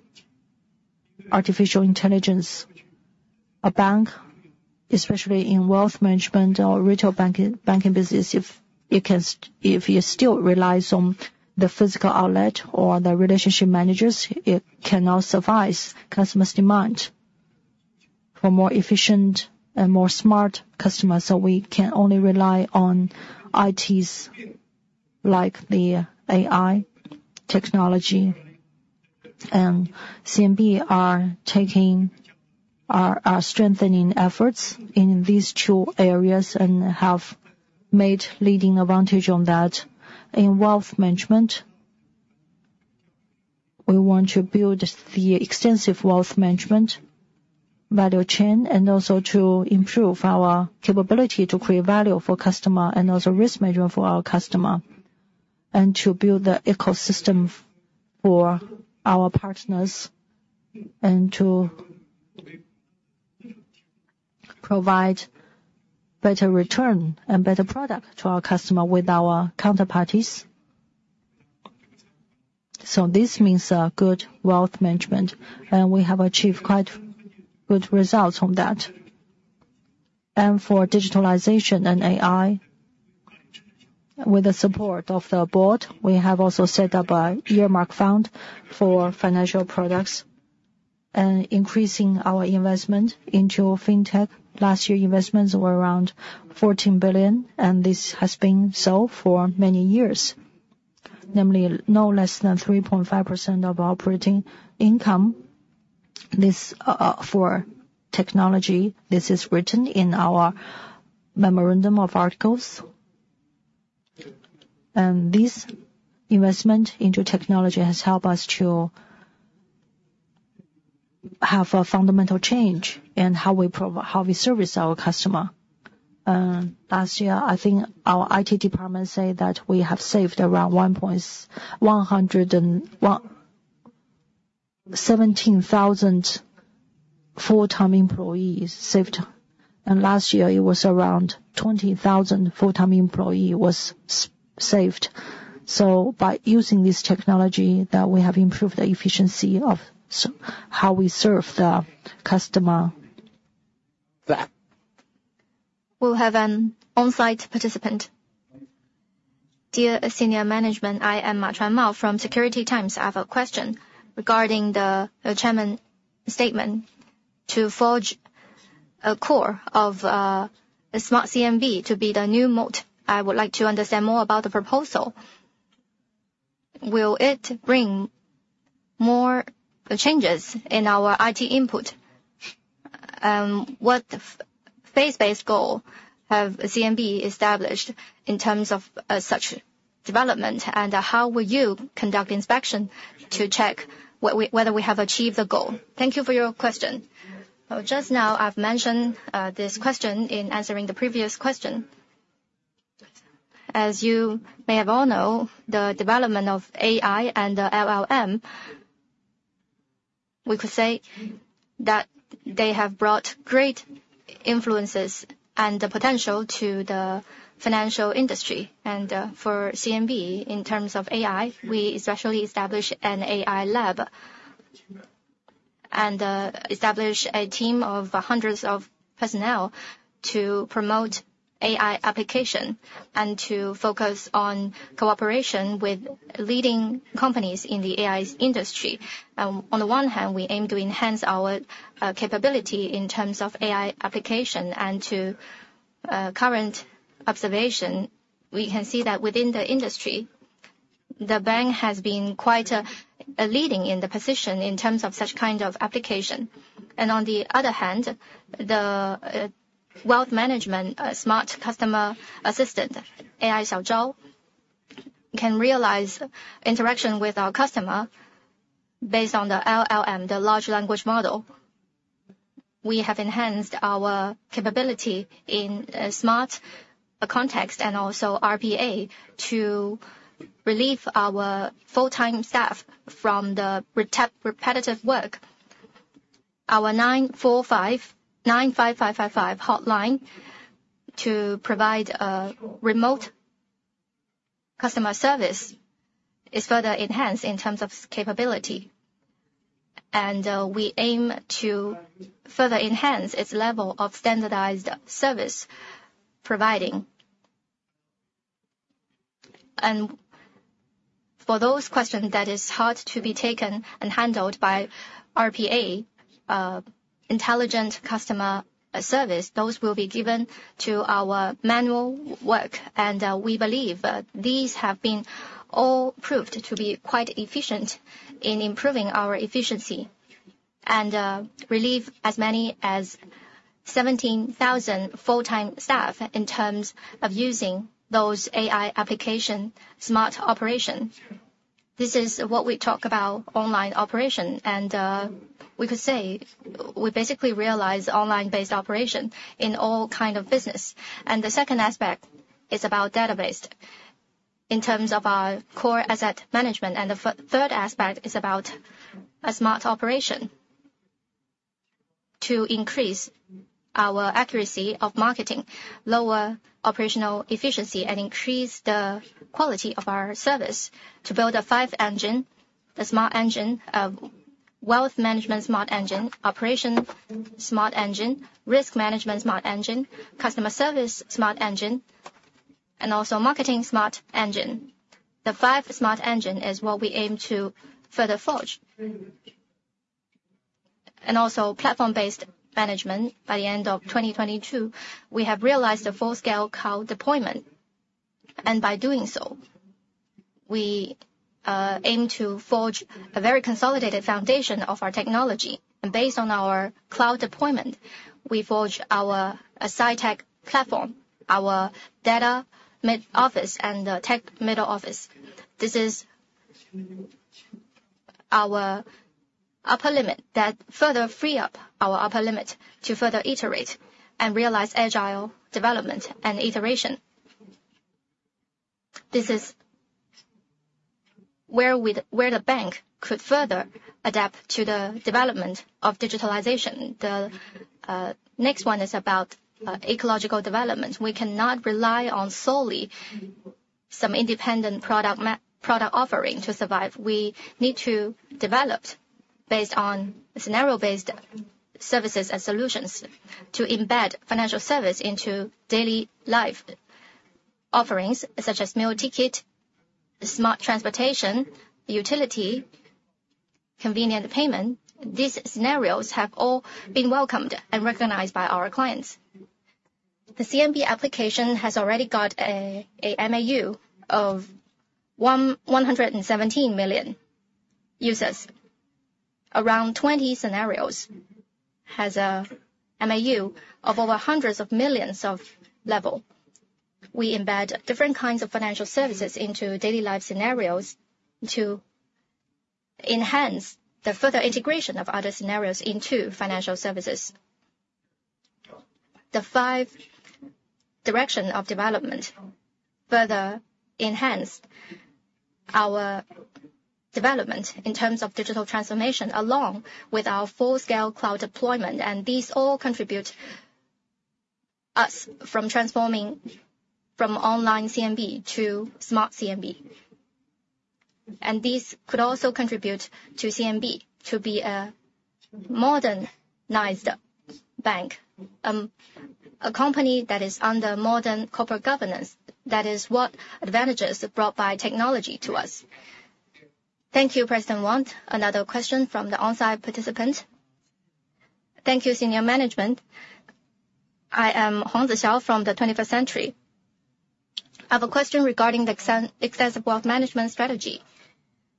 artificial intelligence. A bank, especially in wealth management or retail banking business, if it still relies on the physical outlet or the relationship managers, it cannot survive customers' demand for more efficient and more smart customers. So we can only rely on ITs like the AI technology. CMB is strengthening efforts in these two areas and has made leading advantage on that. In wealth management, we want to build the extensive wealth management value chain and also to improve our capability to create value for customer and also risk management for our customer and to build the ecosystem for our partners and to provide better return and better product to our customer with our counterparties. So this means good wealth management. We have achieved quite good results on that. For digitalization and AI, with the support of the board, we have also set up an earmark fund for financial products and increasing our investment into fintech. Last year, investments were around 14 billion. This has been so for many years, namely no less than 3.5% of operating income for technology. This is written in our memorandum of articles. This investment into technology has helped us to have a fundamental change in how we service our customer. Last year, I think our IT department said that we have saved around 117,000 full-time employees saved. Last year, it was around 20,000 full-time employees was saved. By using this technology, we have improved the efficiency of how we serve the customer. We'll have an onsite participant. Dear senior management, I am Ma Chuanmao from Securities Times. I have a question regarding the chairman's statement to forge a core of a smart CNB to be the new moat. I would like to understand more about the proposal. Will it bring more changes in our IT input? And what phase-based goal has CNB established in terms of such development? And how will you conduct inspection to check whether we have achieved the goal? Thank you for your question. Just now, I've mentioned this question in answering the previous question. As you may have all known, the development of AI and LLM, we could say that they have brought great influences and the potential to the financial industry. For CMB, in terms of AI, we especially established an AI lab and established a team of hundreds of personnel to promote AI application and to focus on cooperation with leading companies in the AI industry. On the one hand, we aim to enhance our capability in terms of AI application. From current observation, we can see that within the industry, the bank has been quite leading in the position in terms of such kind of application. On the other hand, the wealth management smart customer assistant, AI Xiao Zhao, can realize interaction with our customer based on the LLM, the large language model. We have enhanced our capability in smart context and also RPA to relieve our full-time staff from the repetitive work. Our 945-955-55 hotline to provide remote customer service is further enhanced in terms of capability. We aim to further enhance its level of standardized service providing. For those questions that are hard to be taken and handled by RPA, intelligent customer service, those will be given to our manual work. We believe these have been all proved to be quite efficient in improving our efficiency and relieve as many as 17,000 full-time staff in terms of using those AI application smart operation. This is what we talk about online operation. We could say we basically realize online-based operation in all kinds of business. The second aspect is about database in terms of our core asset management. The third aspect is about a smart operation to increase our accuracy of marketing, lower operational efficiency, and increase the quality of our service to build a five engine: the smart engine, wealth management smart engine, operation smart engine, risk management smart engine, customer service smart engine, and also marketing smart engine. The five smart engines is what we aim to further forge. Also platform-based management. By the end of 2022, we have realized a full-scale cloud deployment. By doing so, we aim to forge a very consolidated foundation of our technology. Based on our cloud deployment, we forge our SciTech platform, our data mid-office, and the tech middle office. This is our upper limit that further free up our upper limit to further iterate and realize agile development and iteration. This is where the bank could further adapt to the development of digitalization. The next one is about ecological development. We cannot rely on solely some independent product offering to survive. We need to develop based on scenario-based services and solutions to embed financial service into daily life offerings such as meal ticket, smart transportation, utility, convenient payment. These scenarios have all been welcomed and recognized by our clients. The CMB application has already got a MAU of 117 million users. Around 20 scenarios have a MAU of over hundreds of millions of level. We embed different kinds of financial services into daily life scenarios to enhance the further integration of other scenarios into financial services. The five directions of development further enhance our development in terms of digital transformation along with our full-scale cloud deployment. And these all contribute us from transforming from online CMB to smart CMB. And these could also contribute to CMB to be a modernized bank, a company that is under modern corporate governance. That is what advantages brought by technology to us. Thank you, President Wang. Another question from the onsite participant. Thank you, senior management. I am Tang Zixiao from the 21st Century Business Herald. I have a question regarding the extensive wealth management strategy.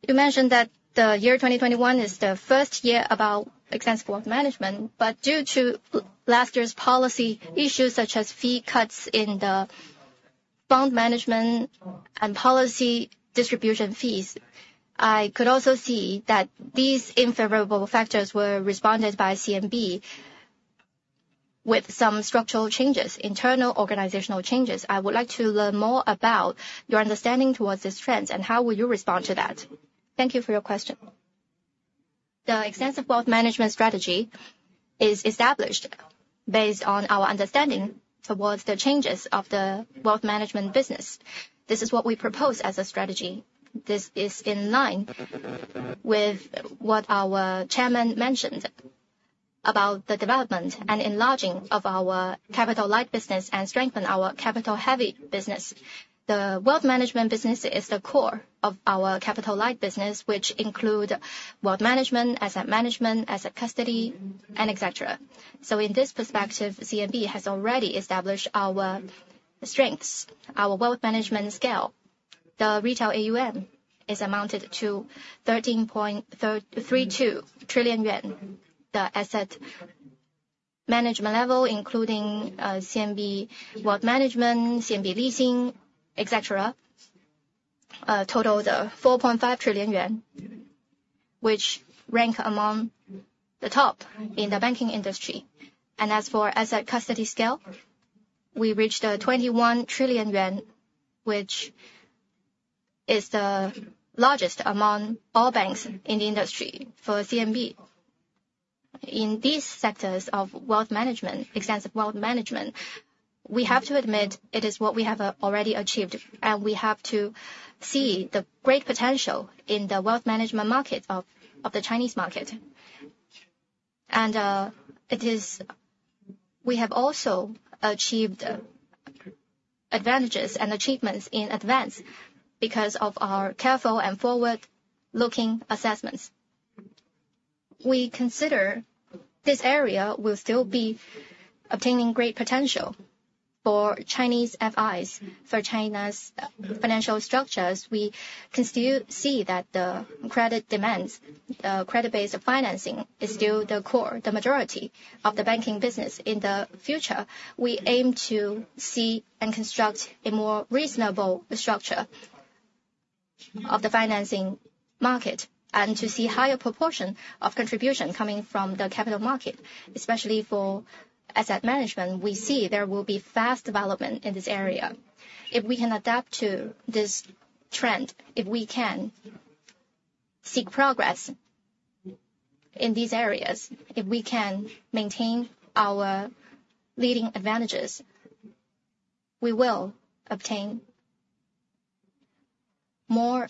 You mentioned that the year 2021 is the first year about extensive wealth management. But due to last year's policy issues such as fee cuts in the bond management and policy distribution fees, I could also see that these unfavorable factors were responded to by CMB with some structural changes, internal organizational changes. I would like to learn more about your understanding towards this trend. And how will you respond to that? Thank you for your question. The extensive wealth management strategy is established based on our understanding towards the changes of the wealth management business. This is what we propose as a strategy. This is in line with what our chairman mentioned about the development and enlarging of our capital-light business and strengthening our capital-heavy business. The wealth management business is the core of our capital-light business, which includes wealth management, asset management, asset custody, and etc. So in this perspective, CMB has already established our strengths, our wealth management scale. The retail AUM is amounted to 13.32 trillion yuan, the asset management level including CMB wealth management, CMB leasing, etc., totaled 4.5 trillion yuan, which rank among the top in the banking industry. As for asset custody scale, we reached 21 trillion yuan, which is the largest among all banks in the industry for CMB. In these sectors of extensive wealth management, we have to admit it is what we have already achieved. We have to see the great potential in the wealth management market of the Chinese market. We have also achieved advantages and achievements in advance because of our careful and forward-looking assessments. We consider this area will still be obtaining great potential for Chinese FIs, for China's financial structures. We can still see that the credit demands, the credit-based financing is still the core, the majority of the banking business in the future. We aim to see and construct a more reasonable structure of the financing market and to see higher proportion of contribution coming from the capital market, especially for asset management. We see there will be fast development in this area. If we can adapt to this trend, if we can seek progress in these areas, if we can maintain our leading advantages, we will obtain more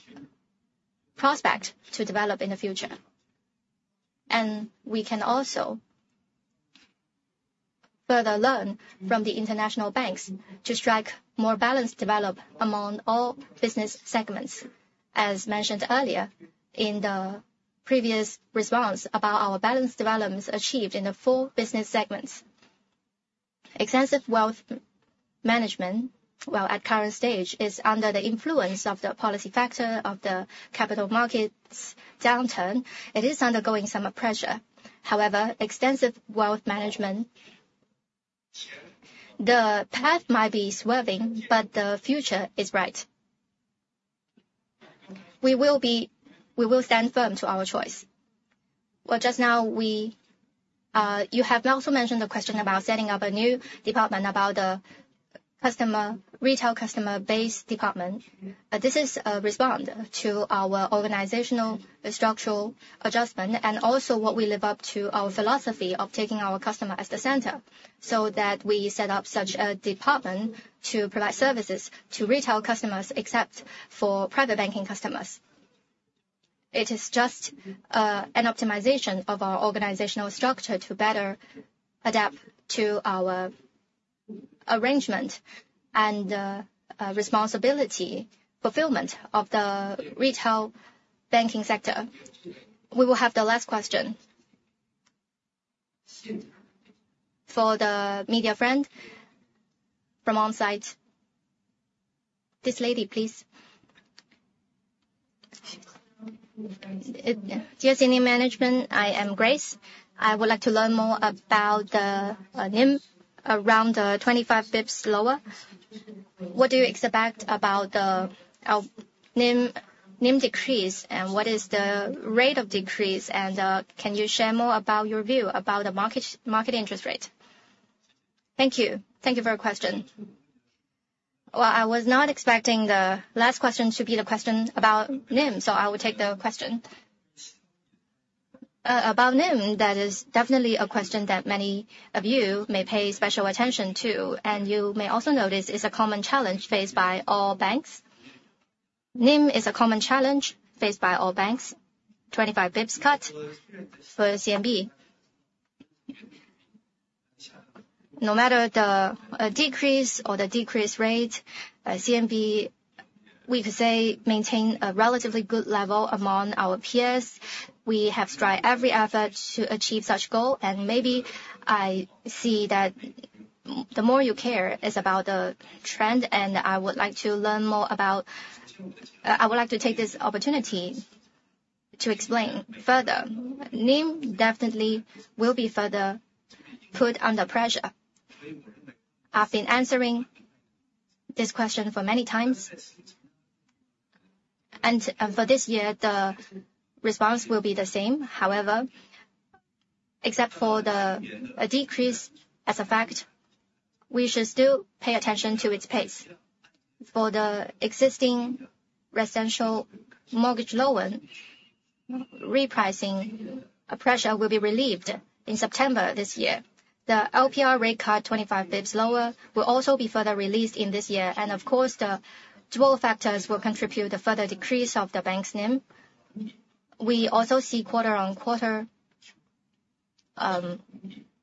prospect to develop in the future. We can also further learn from the international banks to strike more balanced development among all business segments, as mentioned earlier in the previous response about our balanced development achieved in the four business segments. Extensive wealth management, well, at current stage, is under the influence of the policy factor of the capital market's downturn. It is undergoing some pressure. However, extensive wealth management, the path might be swerving, but the future is bright. We will stand firm to our choice. Well, just now, you have also mentioned the question about setting up a new department about the retail customer-based department. This is a response to our organizational structural adjustment and also what we live up to our philosophy of taking our customer at the center so that we set up such a department to provide services to retail customers except for private banking customers. It is just an optimization of our organizational structure to better adapt to our arrangement and responsibility fulfillment of the retail banking sector. We will have the last question. For the media friend from onsite, this lady, please. Dear senior management, I am Grace. I would like to learn more about the NIM around 25 bps lower. What do you expect about the NIM decrease? And what is the rate of decrease? Can you share more about your view about the market interest rate? Thank you. Thank you for your question. Well, I was not expecting the last question to be the question about NIM. So I will take the question. About NIM, that is definitely a question that many of you may pay special attention to. And you may also notice it's a common challenge faced by all banks. NIM is a common challenge faced by all banks, 25 basis points cut for CMB. No matter the decrease or the decrease rate, CMB, we could say, maintains a relatively good level among our peers. We have strived every effort to achieve such a goal. And maybe I see that the more you care is about the trend. And I would like to learn more about I would like to take this opportunity to explain further. NIM definitely will be further put under pressure. I've been answering this question for many times. For this year, the response will be the same. However, except for the decrease as a fact, we should still pay attention to its pace. For the existing residential mortgage loan repricing, a pressure will be relieved in September this year. The LPR rate cut 25 bps lower will also be further released in this year. And of course, the dual factors will contribute to further decrease of the bank's NIM. We also see quarter-on-quarter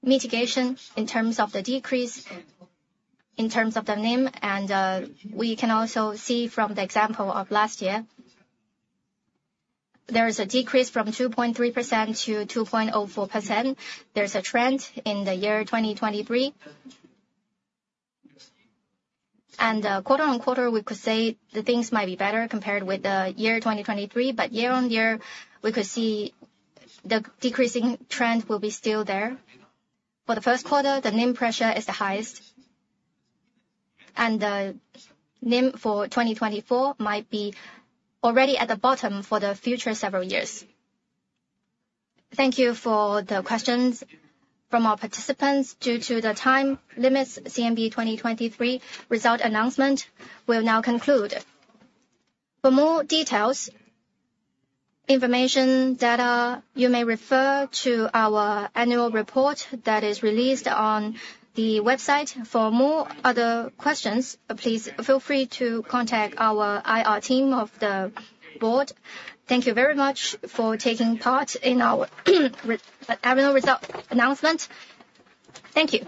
mitigation in terms of the decrease in terms of the NIM. We can also see from the example of last year, there is a decrease from 2.3% to 2.04%. There's a trend in the year 2023. Quarter-on-quarter, we could say the things might be better compared with the year 2023. Year on year, we could see the decreasing trend will be still there. For the first quarter, the NIM pressure is the highest. The NIM for 2024 might be already at the bottom for the future several years. Thank you for the questions from our participants. Due to the time limits, CMB 2023 result announcement will now conclude. For more details, information, data, you may refer to our annual report that is released on the website. For more other questions, please feel free to contact our IR team of the board. Thank you very much for taking part in our annual result announcement. Thank you.